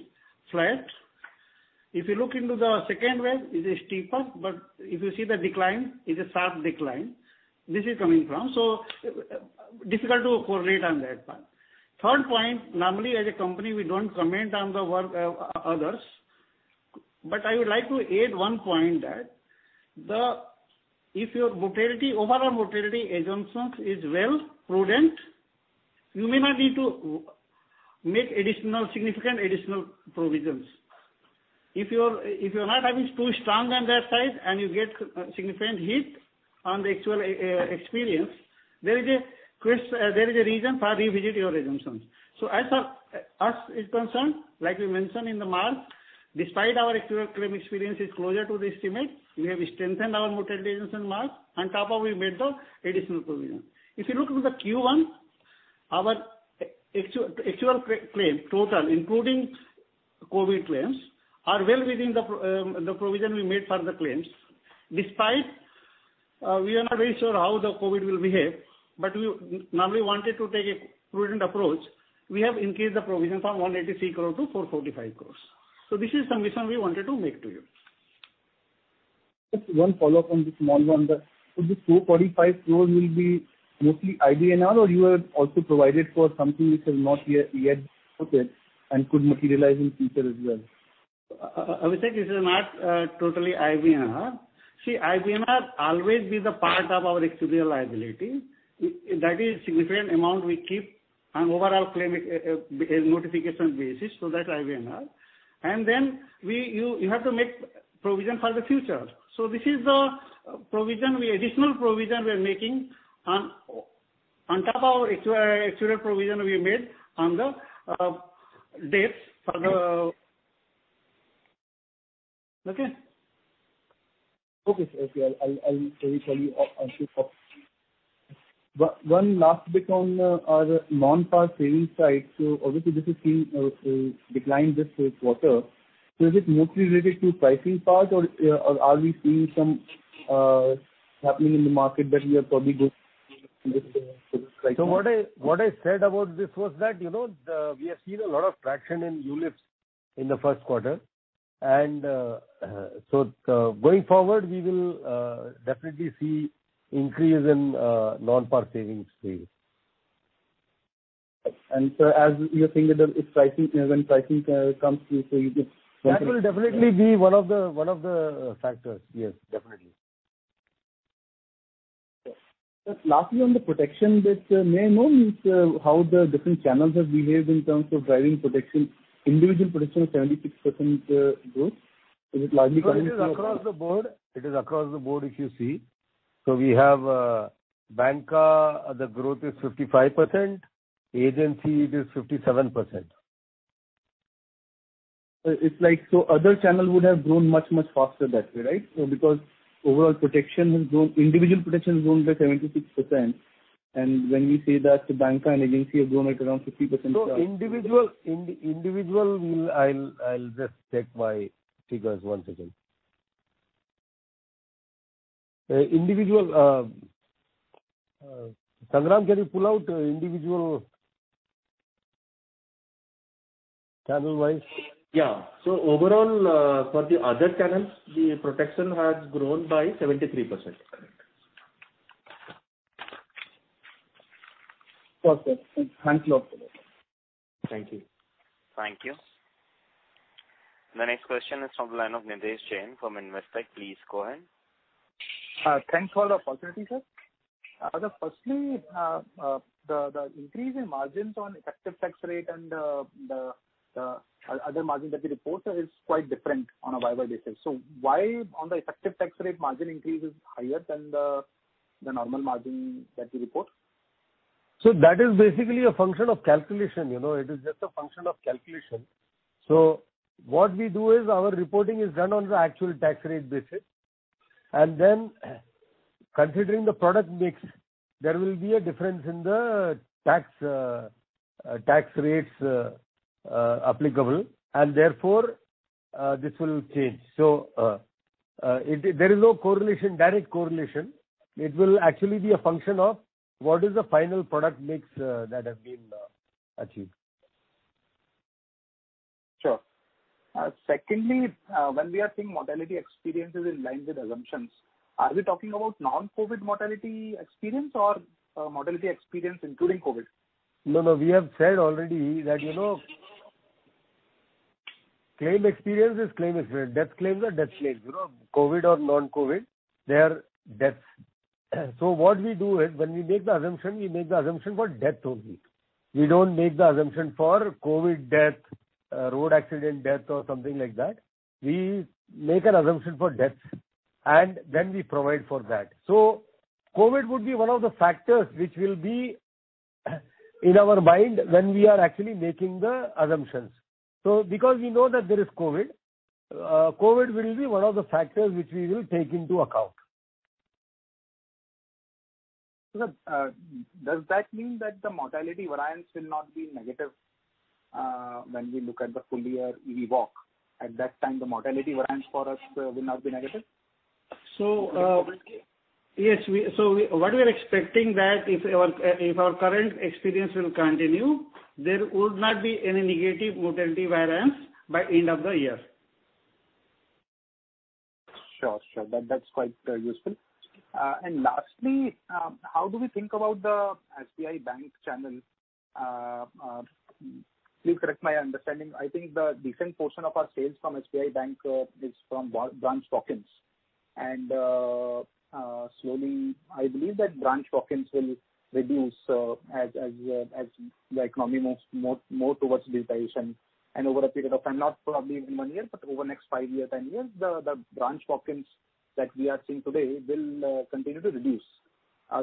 flat. If you look into the second wave, it is steeper, but if you see the decline, it's a sharp decline. This is coming from. Difficult to correlate on that part. Third point, normally as a company, we don't comment on the work of others. I would like to add one point that if your overall mortality assumptions is well prudent, you may not need to make significant additional provisions. If you're not having too strong on that side and you get significant hit on the actual experience, there is a reason for revisit your assumptions. As far as us is concerned, like we mentioned in the March, despite our actual claim experience is closer to the estimate, we have strengthened our mortality assumption in March. On top of we made the additional provision. If you look into the Q1, our actual claim total, including COVID claims, are well within the provision we made for the claims. Despite we are not very sure how the COVID will behave, we normally wanted to take a prudent approach. We have increased the provision from 183 crore to 445 crores. This is the mission we wanted to make to you. Just one follow-up on this small one. This 245 crores will be mostly IBNR or you have also provided for something which has not yet and could materialize in future as well? Abhishek, this is not totally IBNR. See, IBNR always be the part of our actuarial liability. That is significant amount we keep on overall claim notification basis. That's IBNR. You have to make provision for the future. This is the additional provision we are making on top our actuarial provision we made on the dates for the. Okay. Okay. I'll tell you. One last bit on our non-PAR savings side. Obviously this has seen a decline this first quarter. Is it mostly related to pricing part or are we seeing some happening in the market that we are probably going for this quarter? What I said about this was that, we have seen a lot of traction in ULIPs in the first quarter. Going forward, we will definitely see increase in non-PAR savings sales. As you're saying that when pricing comes through, so you can- That will definitely be one of the factors. Yes, definitely. Just lastly, on the protection bit, may I know how the different channels have behaved in terms of driving protection, individual protection of 76% growth? Is it largely coming from? No, it is across the board if you see. We have banca, the growth is 55%, agency it is 57%. Other channel would have grown much, much faster that way, right? Because overall individual protection has grown by 76%, and when we say that the banca and agency have grown at around 50%. Individual, I'll just check my figures. One second. Sangram, can you pull out individual channel-wise? Yeah. Overall, for the other channels, the protection has grown by 73%. Correct. Okay. Thanks a lot. Thank you. Thank you. The next question is from the line of Nidhesh Jain from Investec. Please go ahead. Thanks for the opportunity, sir. Firstly, the increase in margins on effective tax rate and the other margin that we report is quite different on a YoY basis. Why on the effective tax rate margin increase is higher than the normal margin that you report? That is basically a function of calculation. It is just a function of calculation. What we do is our reporting is done on the actual tax rate basis, and then considering the product mix, there will be a difference in the tax rates applicable, and therefore, this will change. There is no direct correlation. It will actually be a function of what is the final product mix that has been achieved. Sure. Secondly, when we are seeing mortality experiences in line with assumptions, are we talking about non-COVID mortality experience or mortality experience including COVID? No, we have said already that claim experience is claim experience. Death claims are death claims. COVID or non-COVID, they are deaths. What we do is when we make the assumption, we make the assumption for death only. We don't make the assumption for COVID death, road accident death or something like that. We make an assumption for deaths, and then we provide for that. COVID would be one of the factors which will be in our mind when we are actually making the assumptions. Because we know that there is COVID will be one of the factors which we will take into account. Does that mean that the mortality variance will not be negative when we look at the full year EVOC? At that time, the mortality variance for us will not be negative? Yes. What we are expecting that if our current experience will continue, there would not be any negative mortality variance by end of the year. Sure. That's quite useful. Lastly, how do we think about the SBI Bank channel? Please correct my understanding. I think the decent portion of our sales from SBI Bank is from branch walk-ins. Slowly, I believe that branch walk-ins will reduce as the economy moves more towards digitization and over a period of time, not probably in one year, but over next five year, 10 years, the branch walk-ins that we are seeing today will continue to reduce.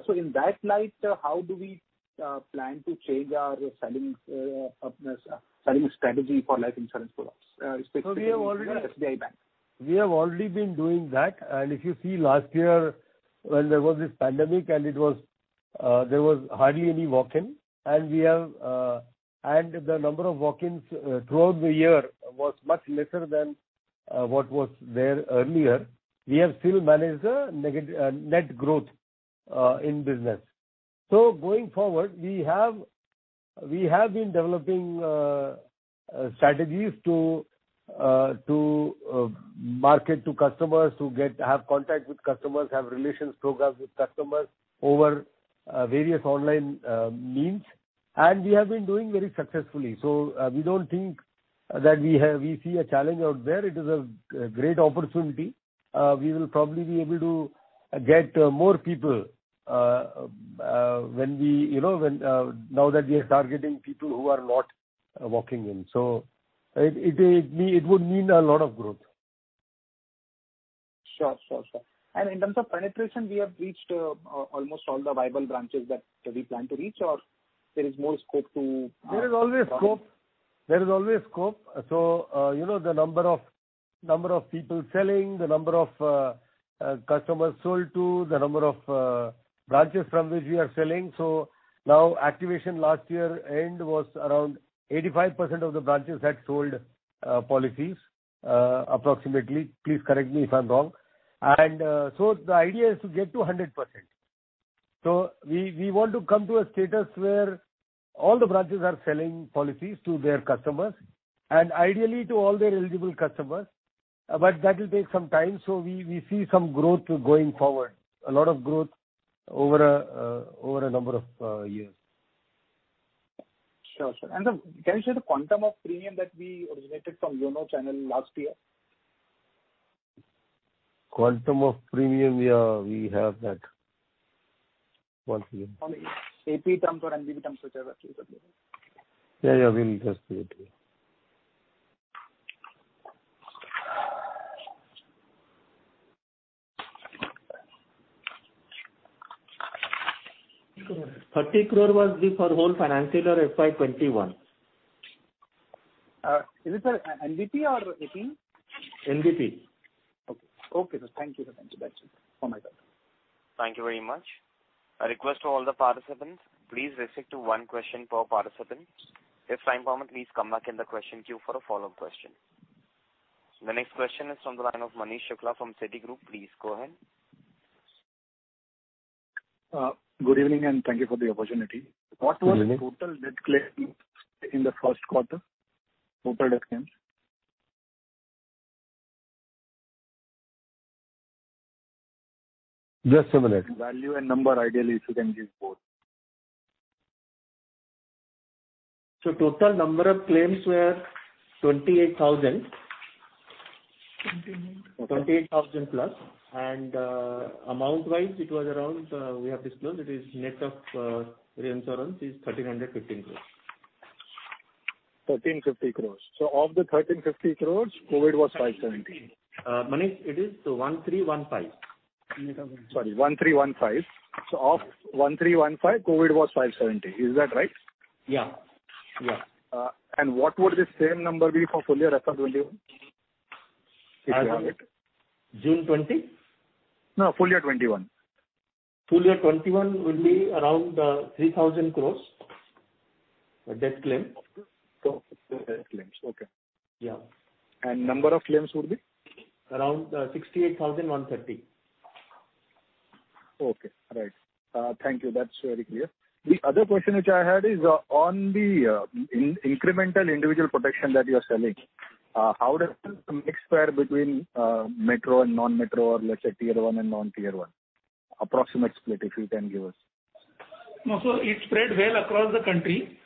In that light, how do we plan to change our selling strategy for life insurance products, specifically- So we have already-... SBI Bank. We have already been doing that. If you see last year when there was this pandemic and there was hardly any walk-ins. The number of walk-ins throughout the year was much lesser than what was there earlier. We have still managed a net growth in business. Going forward, We have been developing strategies to market to customers, to have contact with customers, have relations programs with customers over various online means. We have been doing very successfully. We don't think that we see a challenge out there. It is a great opportunity. We will probably be able to get more people now that we are targeting people who are not walking in. It would mean a lot of growth. Sure. In terms of penetration, we have reached almost all the viable branches that we plan to reach or there is more scope. There is always scope. The number of people selling, the number of customers sold to, the number of branches from which we are selling. Now activation last year end was around 85% of the branches had sold policies, approximately. Please correct me if I'm wrong. The idea is to get to 100%. We want to come to a status where all the branches are selling policies to their customers and ideally to all their eligible customers. That will take some time. We see some growth going forward, a lot of growth over a number of years. Sure. Can you share the quantum of premium that we originated from the channel last year? Quantum of premium, we have that. One second. I mean, AP terms or NBP terms, whichever suits you. Yeah, we will just give it to you. INR 30 crore was for the whole financial or FY 2021? Is it NBP or AP? NBP. Okay. Thank you. Thank you very much. A request to all the participants. Please restrict to one question per participant. If time permits, please come back in the question queue for a follow-up question. The next question is on the line of Manish Shukla from Citigroup. Please go ahead. Good evening, and thank you for the opportunity. Good evening. What was total death claim in the first quarter? Total death claims. Just a minute. Value and number, ideally, if you can give both. Total number of claims were 28,000+, and amount wise it was around, we have disclosed, it is net of reinsurance is 1,350 crores. 1,350 crores. Of the 1,350 crores, COVID was 570. Manish, it is 1315. Sorry, 1,315. Of 1,315, COVID was 570. Is that right? Yeah. What would the same number be for full year FY 2021? If you have it. As on June 2020? No, full year 2021. Full year 2021 will be around 3,000 crores, death claim. Total death claims. Okay. Yeah. Number of claims would be? Around 68,130. Okay. Right. Thank you. That's very clear. The other question which I had is on the incremental individual protection that you are selling, how does the mix fare between metro and non-metro or let's say Tier 1 and non-Tier 1? Approximate split, if you can give us. It spread well across the country.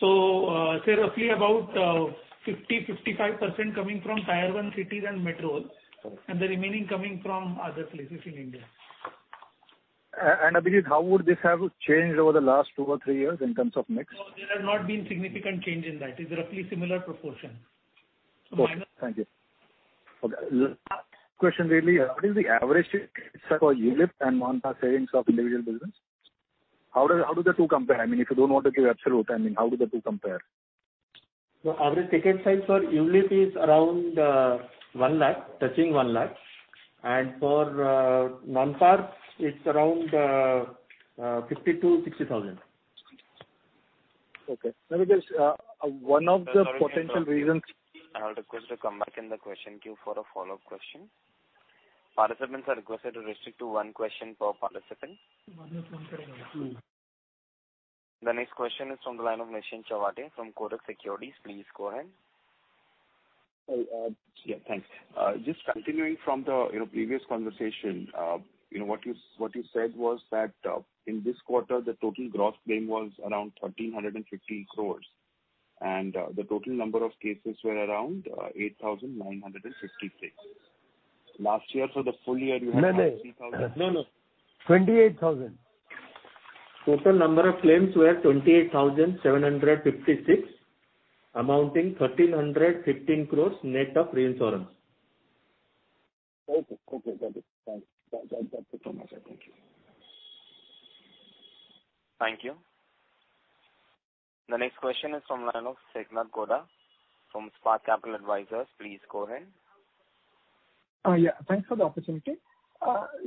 Say roughly about 50%-55% coming from Tier 1 cities and metros, and the remaining coming from other places in India. Abhijit, how would this have changed over the last two or three years in terms of mix? No, there has not been significant change in that. It's roughly similar proportion. Thank you. Okay, last question really, what is the average ticket size for ULIP and non-PAR savings of individual business? How do the two compare? If you don't want to give absolute, how do the two compare? The average ticket size for ULIP is around 1 lakh, touching 1 lakh, and for non-PAR, it's around 52,000-60,000. Okay. Now- I would request to come back in the question queue for a follow-up question. Participants are requested to restrict to one question per participant. One question per participant. The next question is from the line of Nishant Khalde from Kotak Securities. Please go ahead. Yeah, thanks. Just continuing from the previous conversation. What you said was that in this quarter, the total gross claim was around 1,350 crores. The total number of cases were around 8,956. Last year for the full year, you had- No, no. 28,000. Total number of claims were 28,756, amounting 1,315 crores net of reinsurance. Okay. Got it. That's it from my side. Thank you. Thank you. The next question is from line of Sanketh Godha from Spark Capital Advisors. Please go ahead. Yeah, thanks for the opportunity.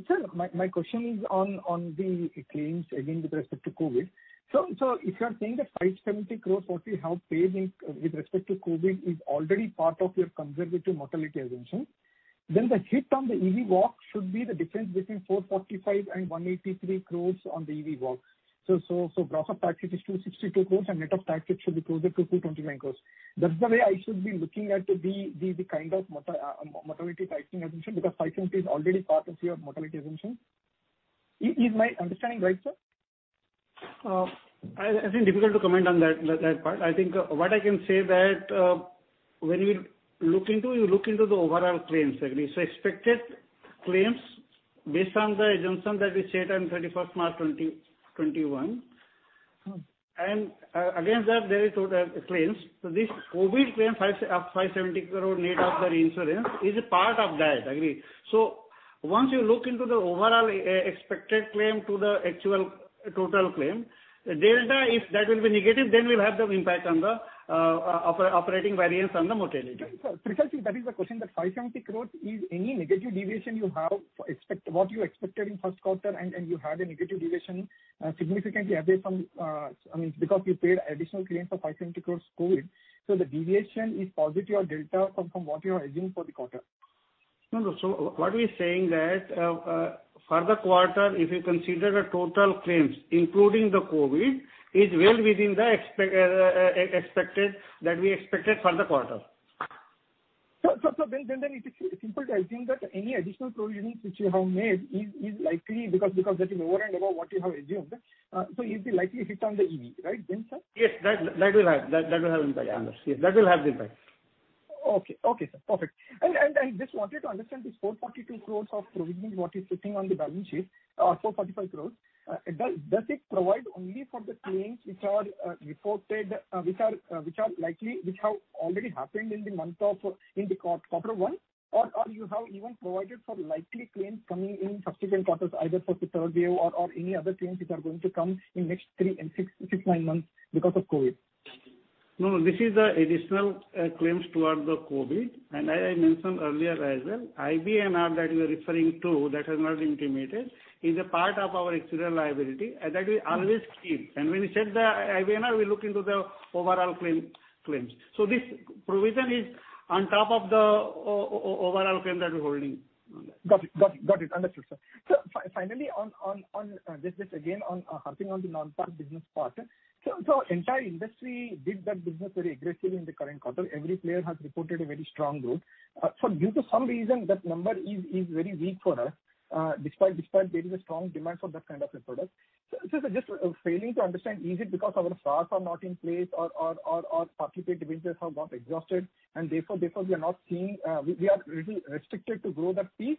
Sir, my question is on the claims again, with respect to COVID-19. If you are saying that 570 crore, what we have paid with respect to COVID-19 is already part of your conservative mortality assumption. The hit on the EV walk should be the difference between 445 and 183 crore on the EV walk. Gross of tax is 262 crore and net of tax it should be closer to 229 crore. That's the way I should be looking at the kind of mortality pricing assumption, because 570 is already part of your mortality assumption. Is my understanding right, sir? I think difficult to comment on that part. I think what I can say that when you look into, you look into the overall claims. Expected claims based on the assumption that we set on 21st March 2021. Against that there is total claims. This COVID claim of 570 crore net of the reinsurance is a part of that, agree. Once you look into the overall expected claim to the actual total claim, delta, if that will be negative, then we'll have the impact on the operating variance on the mortality. Precisely, that is the question, that 570 crores is any negative deviation you have, what you expected in first quarter and you had a negative deviation significantly away from, because you paid additional claims of 570 crores COVID. The deviation is positive or delta from what you are assuming for the quarter. No. What we're saying that, for the quarter, if you consider the total claims, including the COVID, is well within that we expected for the quarter. Sir, it is simple. I think that any additional provisioning which you have made is likely because that is over and above what you have assumed. It'll likely hit on the EV, right then, sir? Yes. That will have impact. Yes. That will have the impact. Okay. Sir. Perfect. I just wanted to understand this 442 crores of provisioning what is sitting on the balance sheet or 445 crores. Does it provide only for the claims which are reported, which have already happened in the quarter one? You have even provided for likely claims coming in subsequent quarters, either for [INAUDIBLE] or any other claims which are going to come in next six and six, nine months because of COVID-19? No. This is additional claims towards the COVID. I mentioned earlier as well, IBNR that you're referring to, that has not been intimated, is a part of our external liability and that we always keep. When we said the IBNR, we look into the overall claims. This provision is on top of the overall claim that we're holding. Got it. Understood, sir. Finally, just again harping on the non-PAR business part. Entire industry did that business very aggressively in the current quarter. Every player has reported a very strong growth. Due to some reason, that number is very weak for us, despite there is a strong demand for that kind of a product. Just failing to understand, is it because our slots are not in place or participating divisions have got exhausted and therefore we are restricted to grow that piece?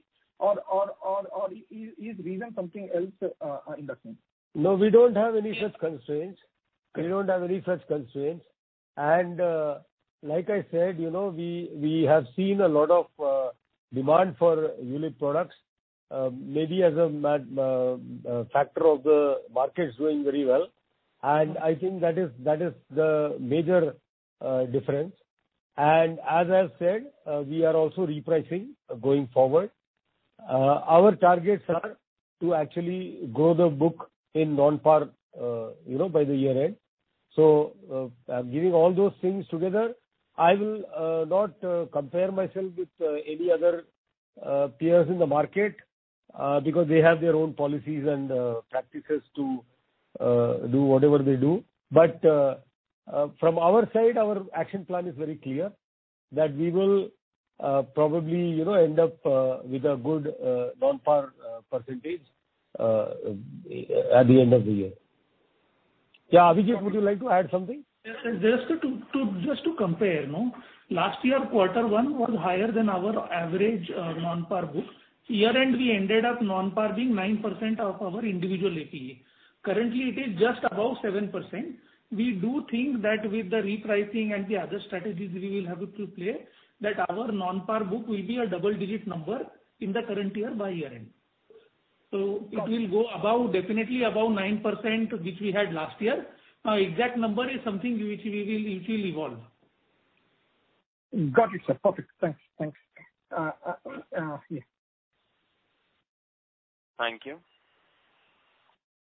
Is reason something else in that sense? No, we don't have any such constraints. Like I said, we have seen a lot of demand for ULIP products, maybe as a factor of the markets doing very well, and I think that is the major difference. As I said, we are also repricing going forward. Our targets are to actually grow the book in non-PAR, by the year end. Giving all those things together, I will not compare myself with any other peers in the market, because they have their own policies and practices to do whatever they do. From our side, our action plan is very clear that we will probably end up with a good non-PAR percentage at the end of the year. Abhijit, would you like to add something? Yes, sir. Just to compare. Last year, quarter one was higher than our average non-PAR book. Year end, we ended up non-PAR being 9% of our individual APE. Currently, it is just above 7%. We do think that with the repricing and the other strategies we will have into play, that our non-PAR book will be a double-digit number in the current year by year end. It will go definitely above 9%, which we had last year. Exact number is something which will evolve. Got it, sir. Perfect. Thanks. Thank you.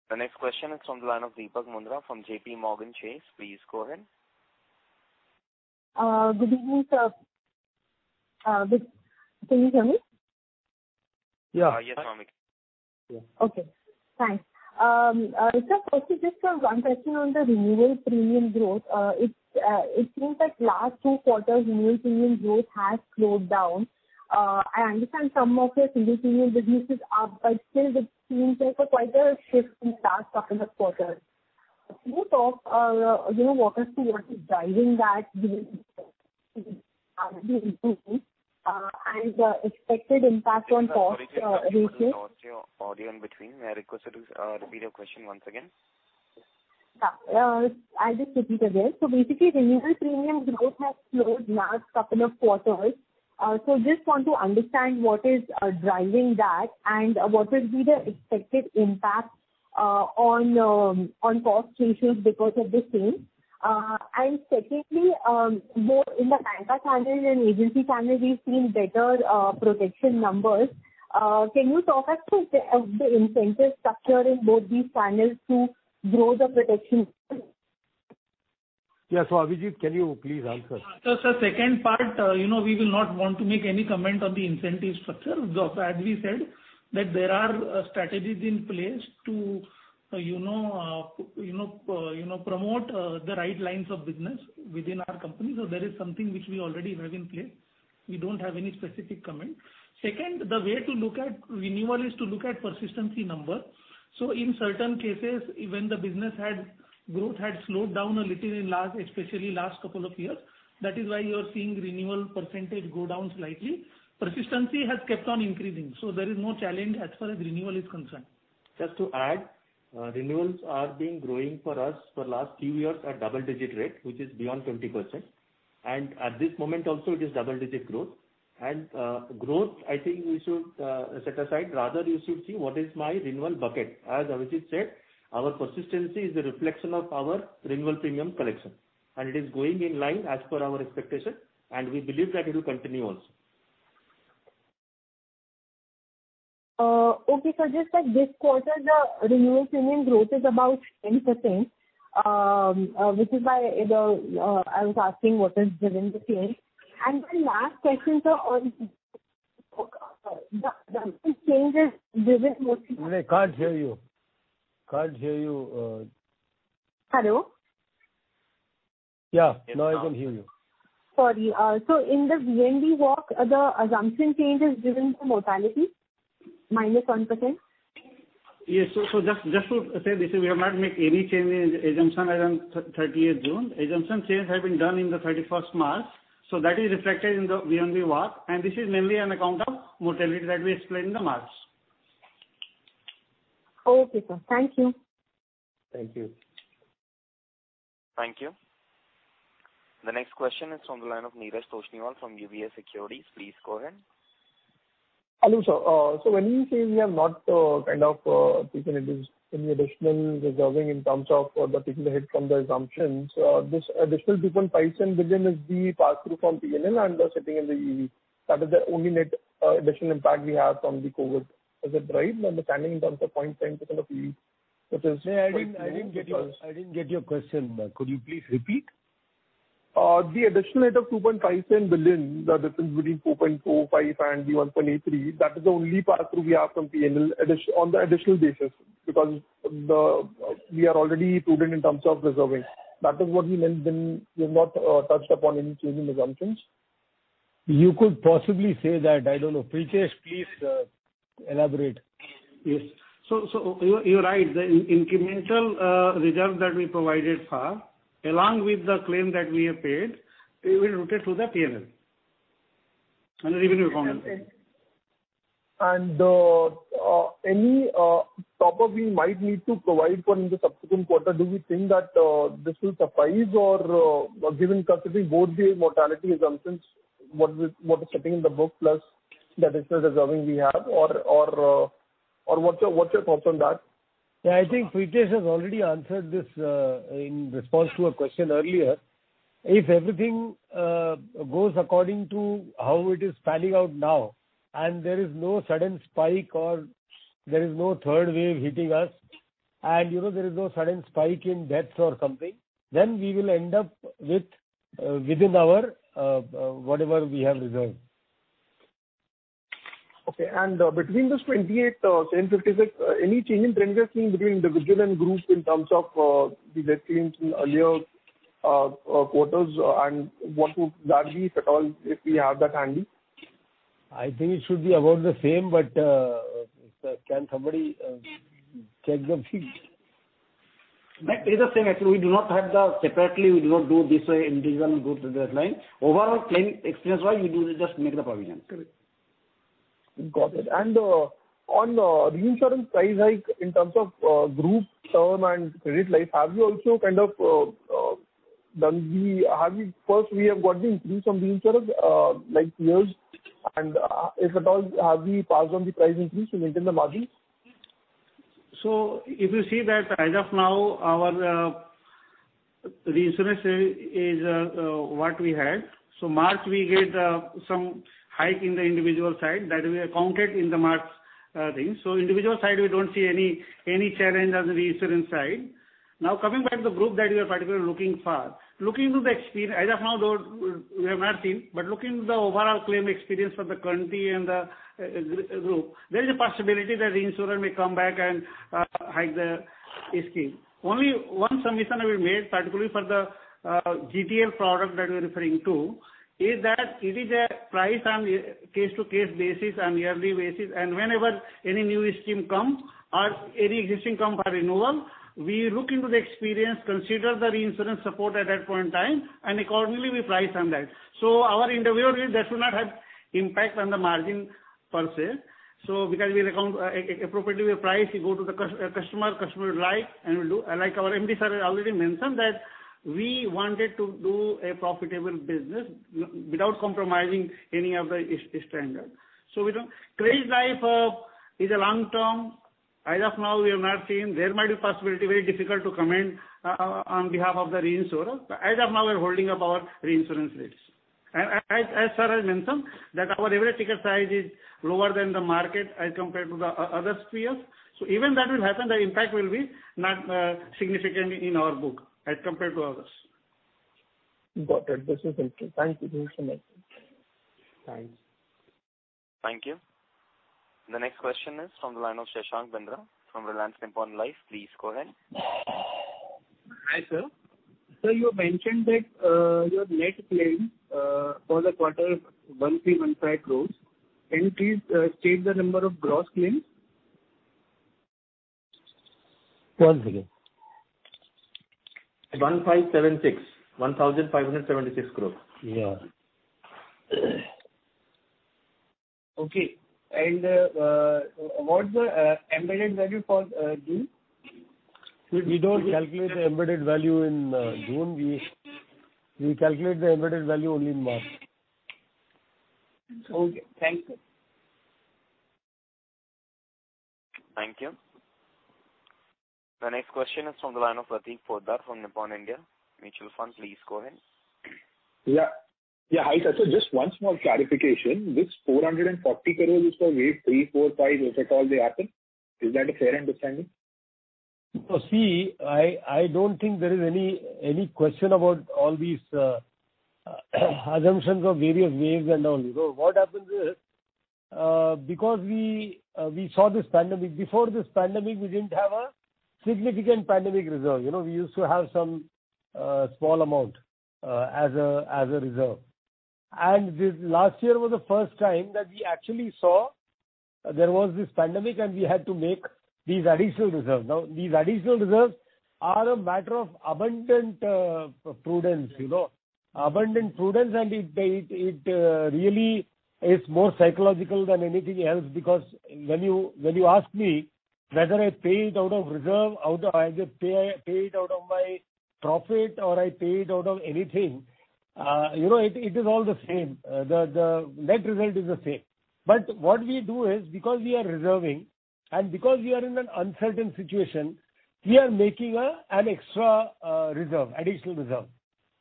The next question is on the line of Deepika Mundra from JPMorgan Chase. Please go ahead. Good evening, sir. Can you hear me? Yeah. Yes, ma'am. We can. Okay, thanks. Sir, firstly, just one question on the renewal premium growth. It seems that last two quarters, renewal premium growth has slowed down. I understand some of your single premium businesses are, but still it seems like a quite a shift in last two quarters. Could you talk, what is driving that and expected impact on cost ratio? Deepika, your audio is breaking in between. May I request you to repeat your question once again? Yeah. I'll just repeat again. Basically, renewal premium growth has slowed last couple of quarters. I just want to understand what is driving that and what will be the expected impact on cost ratios because of the same. Secondly, more in the banker channel and agency channel, we've seen better protection numbers. Can you talk us through the incentive structure in both these channels to grow the protection? Yeah. Abhijit Gulanikar, can you please answer? Sir, second part, we will not want to make any comment on the incentive structure. As we said, that there are strategies in place to promote the right lines of business within our company. There is something which we already have in place. We don't have any specific comment. Second, the way to look at renewal is to look at persistency number. In certain cases, when the business growth had slowed down a little especially last couple years, that is why you are seeing renewal percentage go down slightly. Persistency has kept on increasing. There is no challenge as far as renewal is concerned. Just to add, renewals are being growing for us for last few years at double-digit rate, which is beyond 20%. At this moment also, it is double-digit growth. Growth, I think we should set aside. Rather, you should see what is my renewal bucket. As Abhijit said, our persistency is a reflection of our renewal premium collection, and it is going in line as per our expectation, and we believe that it will continue also. Okay, sir. Just that this quarter the renewal premium growth is about 10%, which is why I was asking what has driven the change. Last question, sir, on the assumption change is driven mostly- No, I can't hear you. I can't hear you. Hello? Yeah, now I can hear you. Sorry. In the VNB walk, the assumption change is driven through mortality, -1%. Yes. Just to say this, we have not made any change in assumption as on 30th June. Assumption change has been done in the 31st March. That is reflected in the VNB walk, and this is mainly on account of mortality that we explained in the March. Okay, sir. Thank you. Thank you. Thank you. The next question is on the line of Neeraj Toshniwal from UBS Securities. Please go ahead. Hello, sir. When you say we have not taken any additional reserving in terms of taking the hit from the assumptions, this additional 2.5 billion is the pass-through from P&L and sitting in the EV. That is the only net additional impact we have from the COVID, is that right? [INAUDIBLE] I didn't get your question. Could you please repeat? The additional hit of 2.5 billion, the difference between 4.45 and 1.83, that is the only pass-through we have from P&L on the additional basis because we are already prudent in terms of reserving. That is what he meant when you have not touched upon any change in assumptions. You could possibly say that. I don't know. Prithesh, please elaborate. Yes. You're right. The incremental reserve that we provided for, along with the claim that we have paid, we will route it through the P&L. Revenue performance. Any cover we might need to provide for in the subsequent quarter, do we think that this will suffice given both the mortality assumptions, what is sitting in the book plus that extra reserving we have or what's your thoughts on that? Yeah, I think Prithesh has already answered this in response to a question earlier. If everything goes according to how it is panning out now, and there is no sudden spike, or there is no third wave hitting us, and there is no sudden spike in deaths or something, then we will end up within our, whatever we have reserved. Okay. Between this 28,756, any change in trends you are seeing between individual and group in terms of the death claims in earlier quarters and what would that be, if at all we have that handy? I think it should be about the same, but can somebody check the sheet? It's the same actually. We do not have that separately. We do not do this way individual and group to that line. Overall claim experience-wise, we do just make the provision. Correct. Got it. On reinsurance price hike in terms of group term and Credit Life, first we have got the increase from reinsurers like peers, and if at all, have we passed on the price increase to maintain the margins? If you see that as of now, our reinsurance is what we had. March we get some hike in the individual side that we accounted in the March thing. Individual side, we don't see any challenge on the reinsurance side. Coming back to the group that you are particularly looking for. As of now, though, we have not seen, but looking at the overall claim experience for the current year in the group, there is a possibility that reinsurer may come back and hike the scheme. Only one submission I will make, particularly for the GTL product that you're referring to, is that it is a price on case to case basis and yearly basis, and whenever any new scheme comes or any existing comes for renewal, we look into the experience, consider the reinsurance support at that point in time, and accordingly, we price on that. Our individual rate, that should not have impact on the margin per se. Because we account appropriately, we price, we go to the customer would like, and we do. Like our MD sir has already mentioned that we wanted to do a profitable business without compromising any of the standard. Credit life is a long term. As of now, we have not seen. There might be possibility, very difficult to comment on behalf of the reinsurer. As of now, we are holding up our reinsurance rates. As Sangramjit mentioned, that our average ticket size is lower than the market as compared to the other peers. Even that will happen, the impact will be not significant in our book as compared to others. Got it. This is interesting. Thank you so much. Thanks. Thank you. The next question is from the line of Shashank Jain from Reliance Nippon Life. Please go ahead. Hi, sir. Sir, you mentioned that your net claims for the quarter is 135 crore. Can you please state the number of gross claims? One second. 1,576. INR 1,576 crores. Yeah. Okay. What's the embedded value for June? We don't calculate the embedded value in June. We calculate the embedded value only in March. Okay. Thank you. Thank you. The next question is from the line of Prateek Poddar from Nippon India Mutual Fund. Please go ahead. Yeah. Hi, sir. Just one small clarification, this INR 440 crores is for wave three, four, five, if at all they happen. Is that a fair understanding? See, I don't think there is any question about all these assumptions of various waves and all. What happens is, because we saw this pandemic. Before this pandemic, we didn't have a significant pandemic reserve. We used to have some small amount as a reserve. Last year was the first time that we actually saw there was this pandemic, and we had to make these additional reserves. These additional reserves are a matter of abundant prudence. Abundant prudence, and it really is more psychological than anything else because when you ask me whether I pay it out of reserve, out of my profit, or I pay it out of anything, it is all the same. The net result is the same. What we do is, because we are reserving and because we are in an uncertain situation, we are making an extra reserve, additional reserve.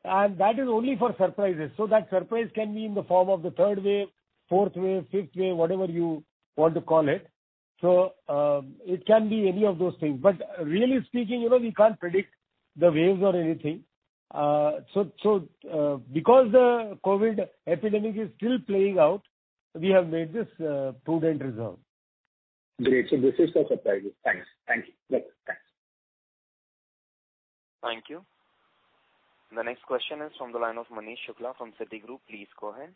That is only for surprises. That surprise can be in the form of the third wave, fourth wave, fifth wave, whatever you want to call it. It can be any of those things. Really speaking, we can't predict the waves or anything. Because the COVID epidemic is still playing out, we have made this prudent reserve. Great. This is the surprise. Thanks. Yes. Thanks. Thank you. The next question is from the line of Manish Shukla from Citigroup. Please go ahead.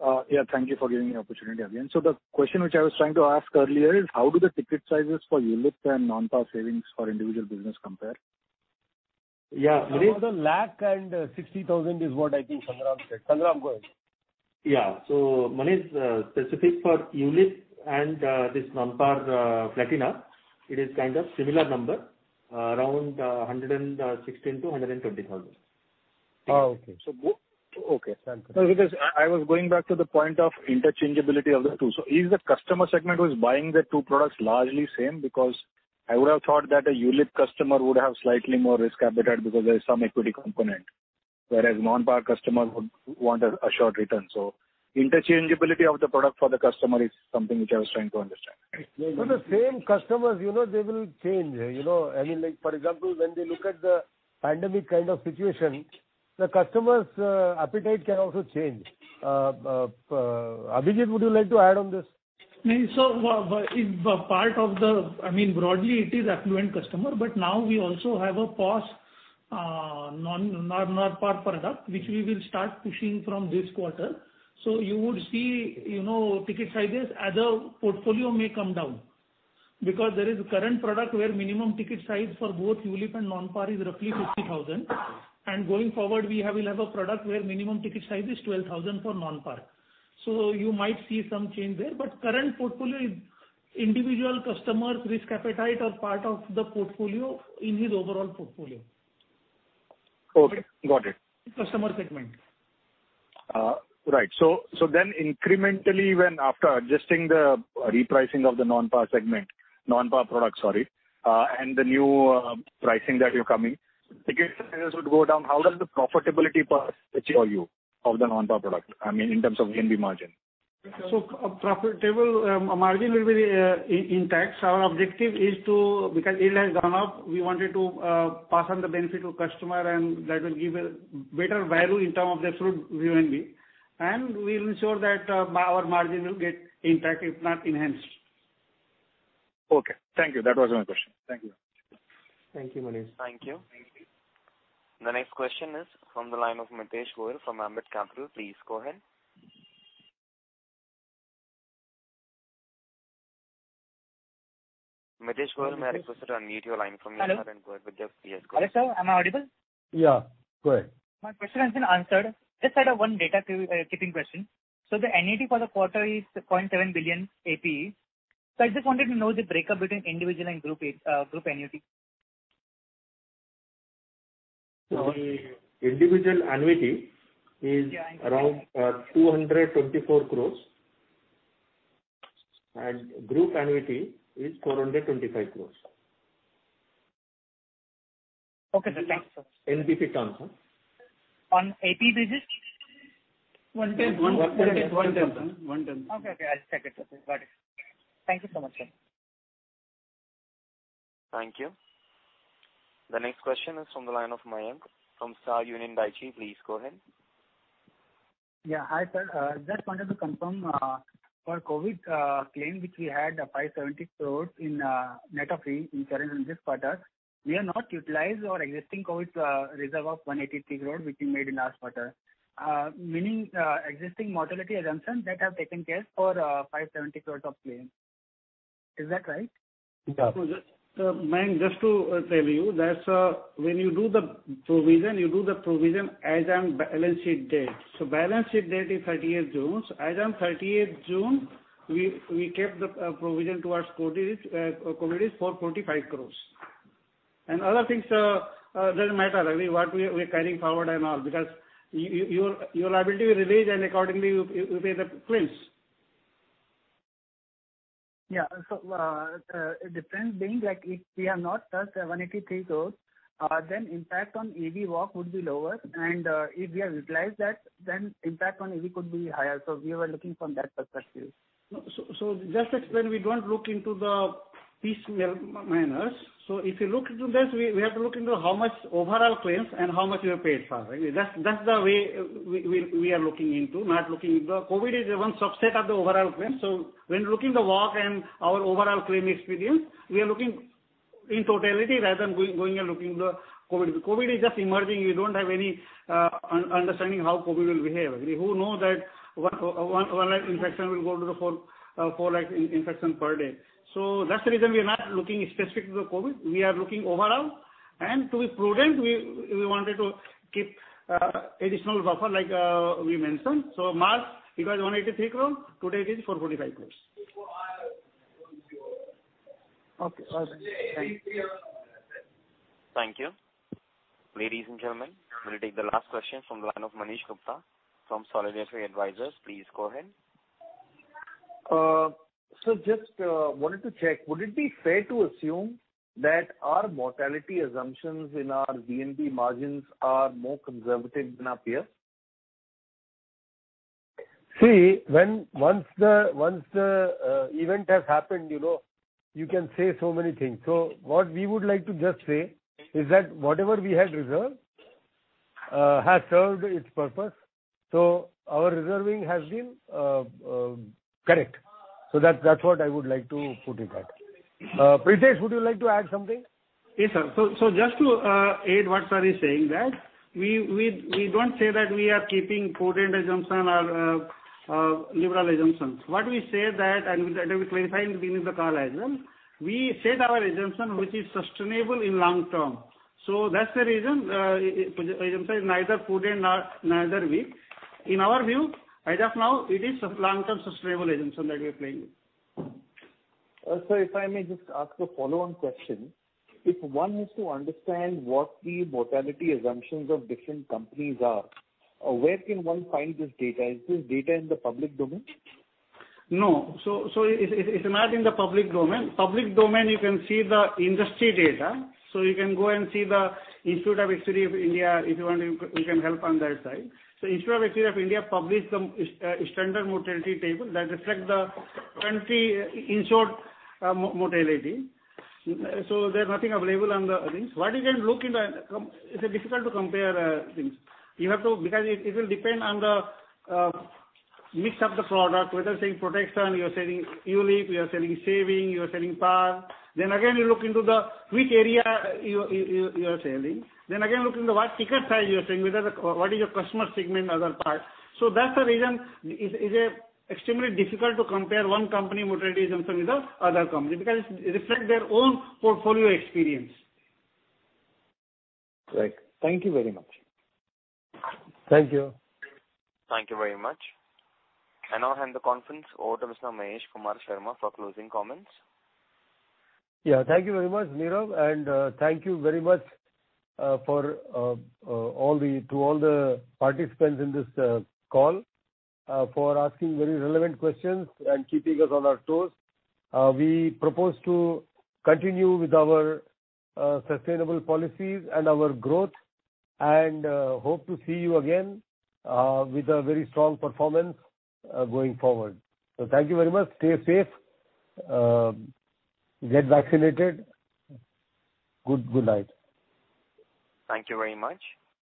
Yeah. Thank you for giving me opportunity again. The question which I was trying to ask earlier is how do the ticket sizes for ULIP and non-PAR savings for individual business compare? Yeah. It is 160,000 is what I think Sangramjit said. Sangramjit, go ahead. Yeah. Mahesh, specific for ULIP and this non-PAR product, it is kind of similar number, around 116-120,000. Oh, okay. Sounds good. Because I was going back to the point of interchangeability of the two. Is the customer segment who's buying the two products largely the same? Because I would have thought that a ULIP customer would have slightly more risk appetite because there is some equity component, whereas non-PAR customer would want an assured return. Interchangeability of the product for the customer is something which I was trying to understand. The same customers, they will change. I mean, for example, when they look at the pandemic kind of situation, the customer's appetite can also change. Abhijit, would you like to add on this? Broadly it is affluent customer, but now we also have a new non-PAR product, which we will start pushing from this quarter. You would see ticket sizes as a portfolio may come down. Because there is current product where minimum ticket size for both ULIP and non-PAR is roughly 60,000. Going forward, we will have a product where minimum ticket size is 12,000 for non-PAR. You might see some change there, but current portfolio is individual customers risk appetite or part of the portfolio in his overall portfolio. Okay, got it. Customer segment. Right. Incrementally, when after adjusting the repricing of the non-PAR product and the new pricing that you're coming, ticket prices would go down. How does the profitability per se for you of the non-PAR product, I mean, in terms of VNB margin? Profitable margin will be intact. Our objective is to, because yield has gone up, we wanted to pass on the benefit to customer and that will give a better value in terms of the through VNB. We'll ensure that our margin will get intact, if not enhanced. Okay. Thank you. That was my question. Thank you. Thank you, Manish. Thank you. Thank you. The next question is from the line of Mitesh Gohil from Ambit Capital. Please go ahead. Mitesh Gohil, you are requested to unmute your line from your end and go ahead with your questions. Hello. Hello, sir. Am I audible? Yeah. Go ahead. My question has been answered. Just out of one data keeping question. The annuity for the quarter is 0.7 billion APE. I just wanted to know the breakup between individual and group annuity. The individual annuity is around 224 crores and group annuity is 425 crores. Okay, sir. Thanks, sir. NBP terms. On APE basis? One tenth. One tenth. Okay, I'll check it. Got it. Thank you so much, sir. Thank you. The next question is from the line of Mayank from Star Union Dai-ichi. Please go ahead. Yeah. Hi, sir. Just wanted to confirm, for COVID claim, which we had 570 crore in net of RI in current in this quarter, we have not utilized our existing COVID reserve of 183 crore, which we made in last quarter, meaning existing mortality assumption that have taken care for 570 crore of claim. Is that right? Yeah. Mayank, just to tell you, when you do the provision, you do the provision as on balance sheet date. Balance sheet date is 30th June. As on 30th June, we kept the provision towards COVID is 445 crore. Other things doesn't matter, really, what we are carrying forward and all, because your liability will release and accordingly, you pay the claims. Yeah. Difference being like if we have not touched 183 crores, then impact on AV walk would be lower, and if we have utilized that, then impact on AV could be higher. We were looking from that perspective. Just to explain, we don't look into the piecemeal manners. If you look into this, we have to look into how much overall claims and how much we have paid for. That's the way we are looking into, not looking into the COVID is one subset of the overall claim. When looking the WAC and our overall claim experience, we are looking in totality rather than going and looking the COVID. COVID is just emerging. We don't have any understanding how COVID will behave. Who know that 1 infection will go to the four infection per day. That's the reason we are not looking specific to the COVID. We are looking overall. To be prudent, we wanted to keep additional buffer like we mentioned. March it was 183 crore. Today it is 445 crores. Okay, got it. Thank you. Thank you. Ladies and gentlemen, we will take the last question from the line of Manish Gupta from Solidus Advisors. Please go ahead. Sir, just wanted to check, would it be fair to assume that our mortality assumptions in our VNB margins are more conservative than our peers? Once the event has happened, you can say so many things. What we would like to just say is that whatever we had reserved has served its purpose. Our reserving has been correct. That's what I would like to put it at. Prithesh, would you like to add something? Yes, sir. Just to aid what sir is saying that we don't say that we are keeping prudent assumption or liberal assumptions. What we say that, and that we clarified in beginning the call as well, we set our assumption which is sustainable in long term. That's the reason assumption is neither prudent nor neither weak. In our view, as of now, it is long-term sustainable assumption that we are playing with. Sir, if I may just ask a follow-on question. If one has to understand what the mortality assumptions of different companies are, where can one find this data? Is this data in the public domain? No. It's not in the public domain. Public domain, you can see the industry data. You can go and see the Institute of Actuaries of India, if you want, we can help on that side. Institute of Actuaries of India publish the standard mortality table that reflect the country insured mortality. There's nothing available on the things. It's difficult to compare things because it will depend on the mix of the product, whether saying protection, you are selling ULIP, you are selling saving, you are selling PAR. Then again, you look into which area you are selling. Then again, look into what ticket size you are selling, what is your customer segment, other parts. That's the reason it is extremely difficult to compare one company mortality assumption with the other company, because it reflect their own portfolio experience. Right. Thank you very much. Thank you. Thank you very much. I now hand the conference over to Mr. Mahesh Kumar Sharma for closing comments. Thank you very much, Nira, and thank you very much to all the participants in this call for asking very relevant questions and keeping us on our toes. We propose to continue with our sustainable policies and our growth and hope to see you again with a very strong performance going forward. Thank you very much. Stay safe. Get vaccinated. Good night. Thank you very much.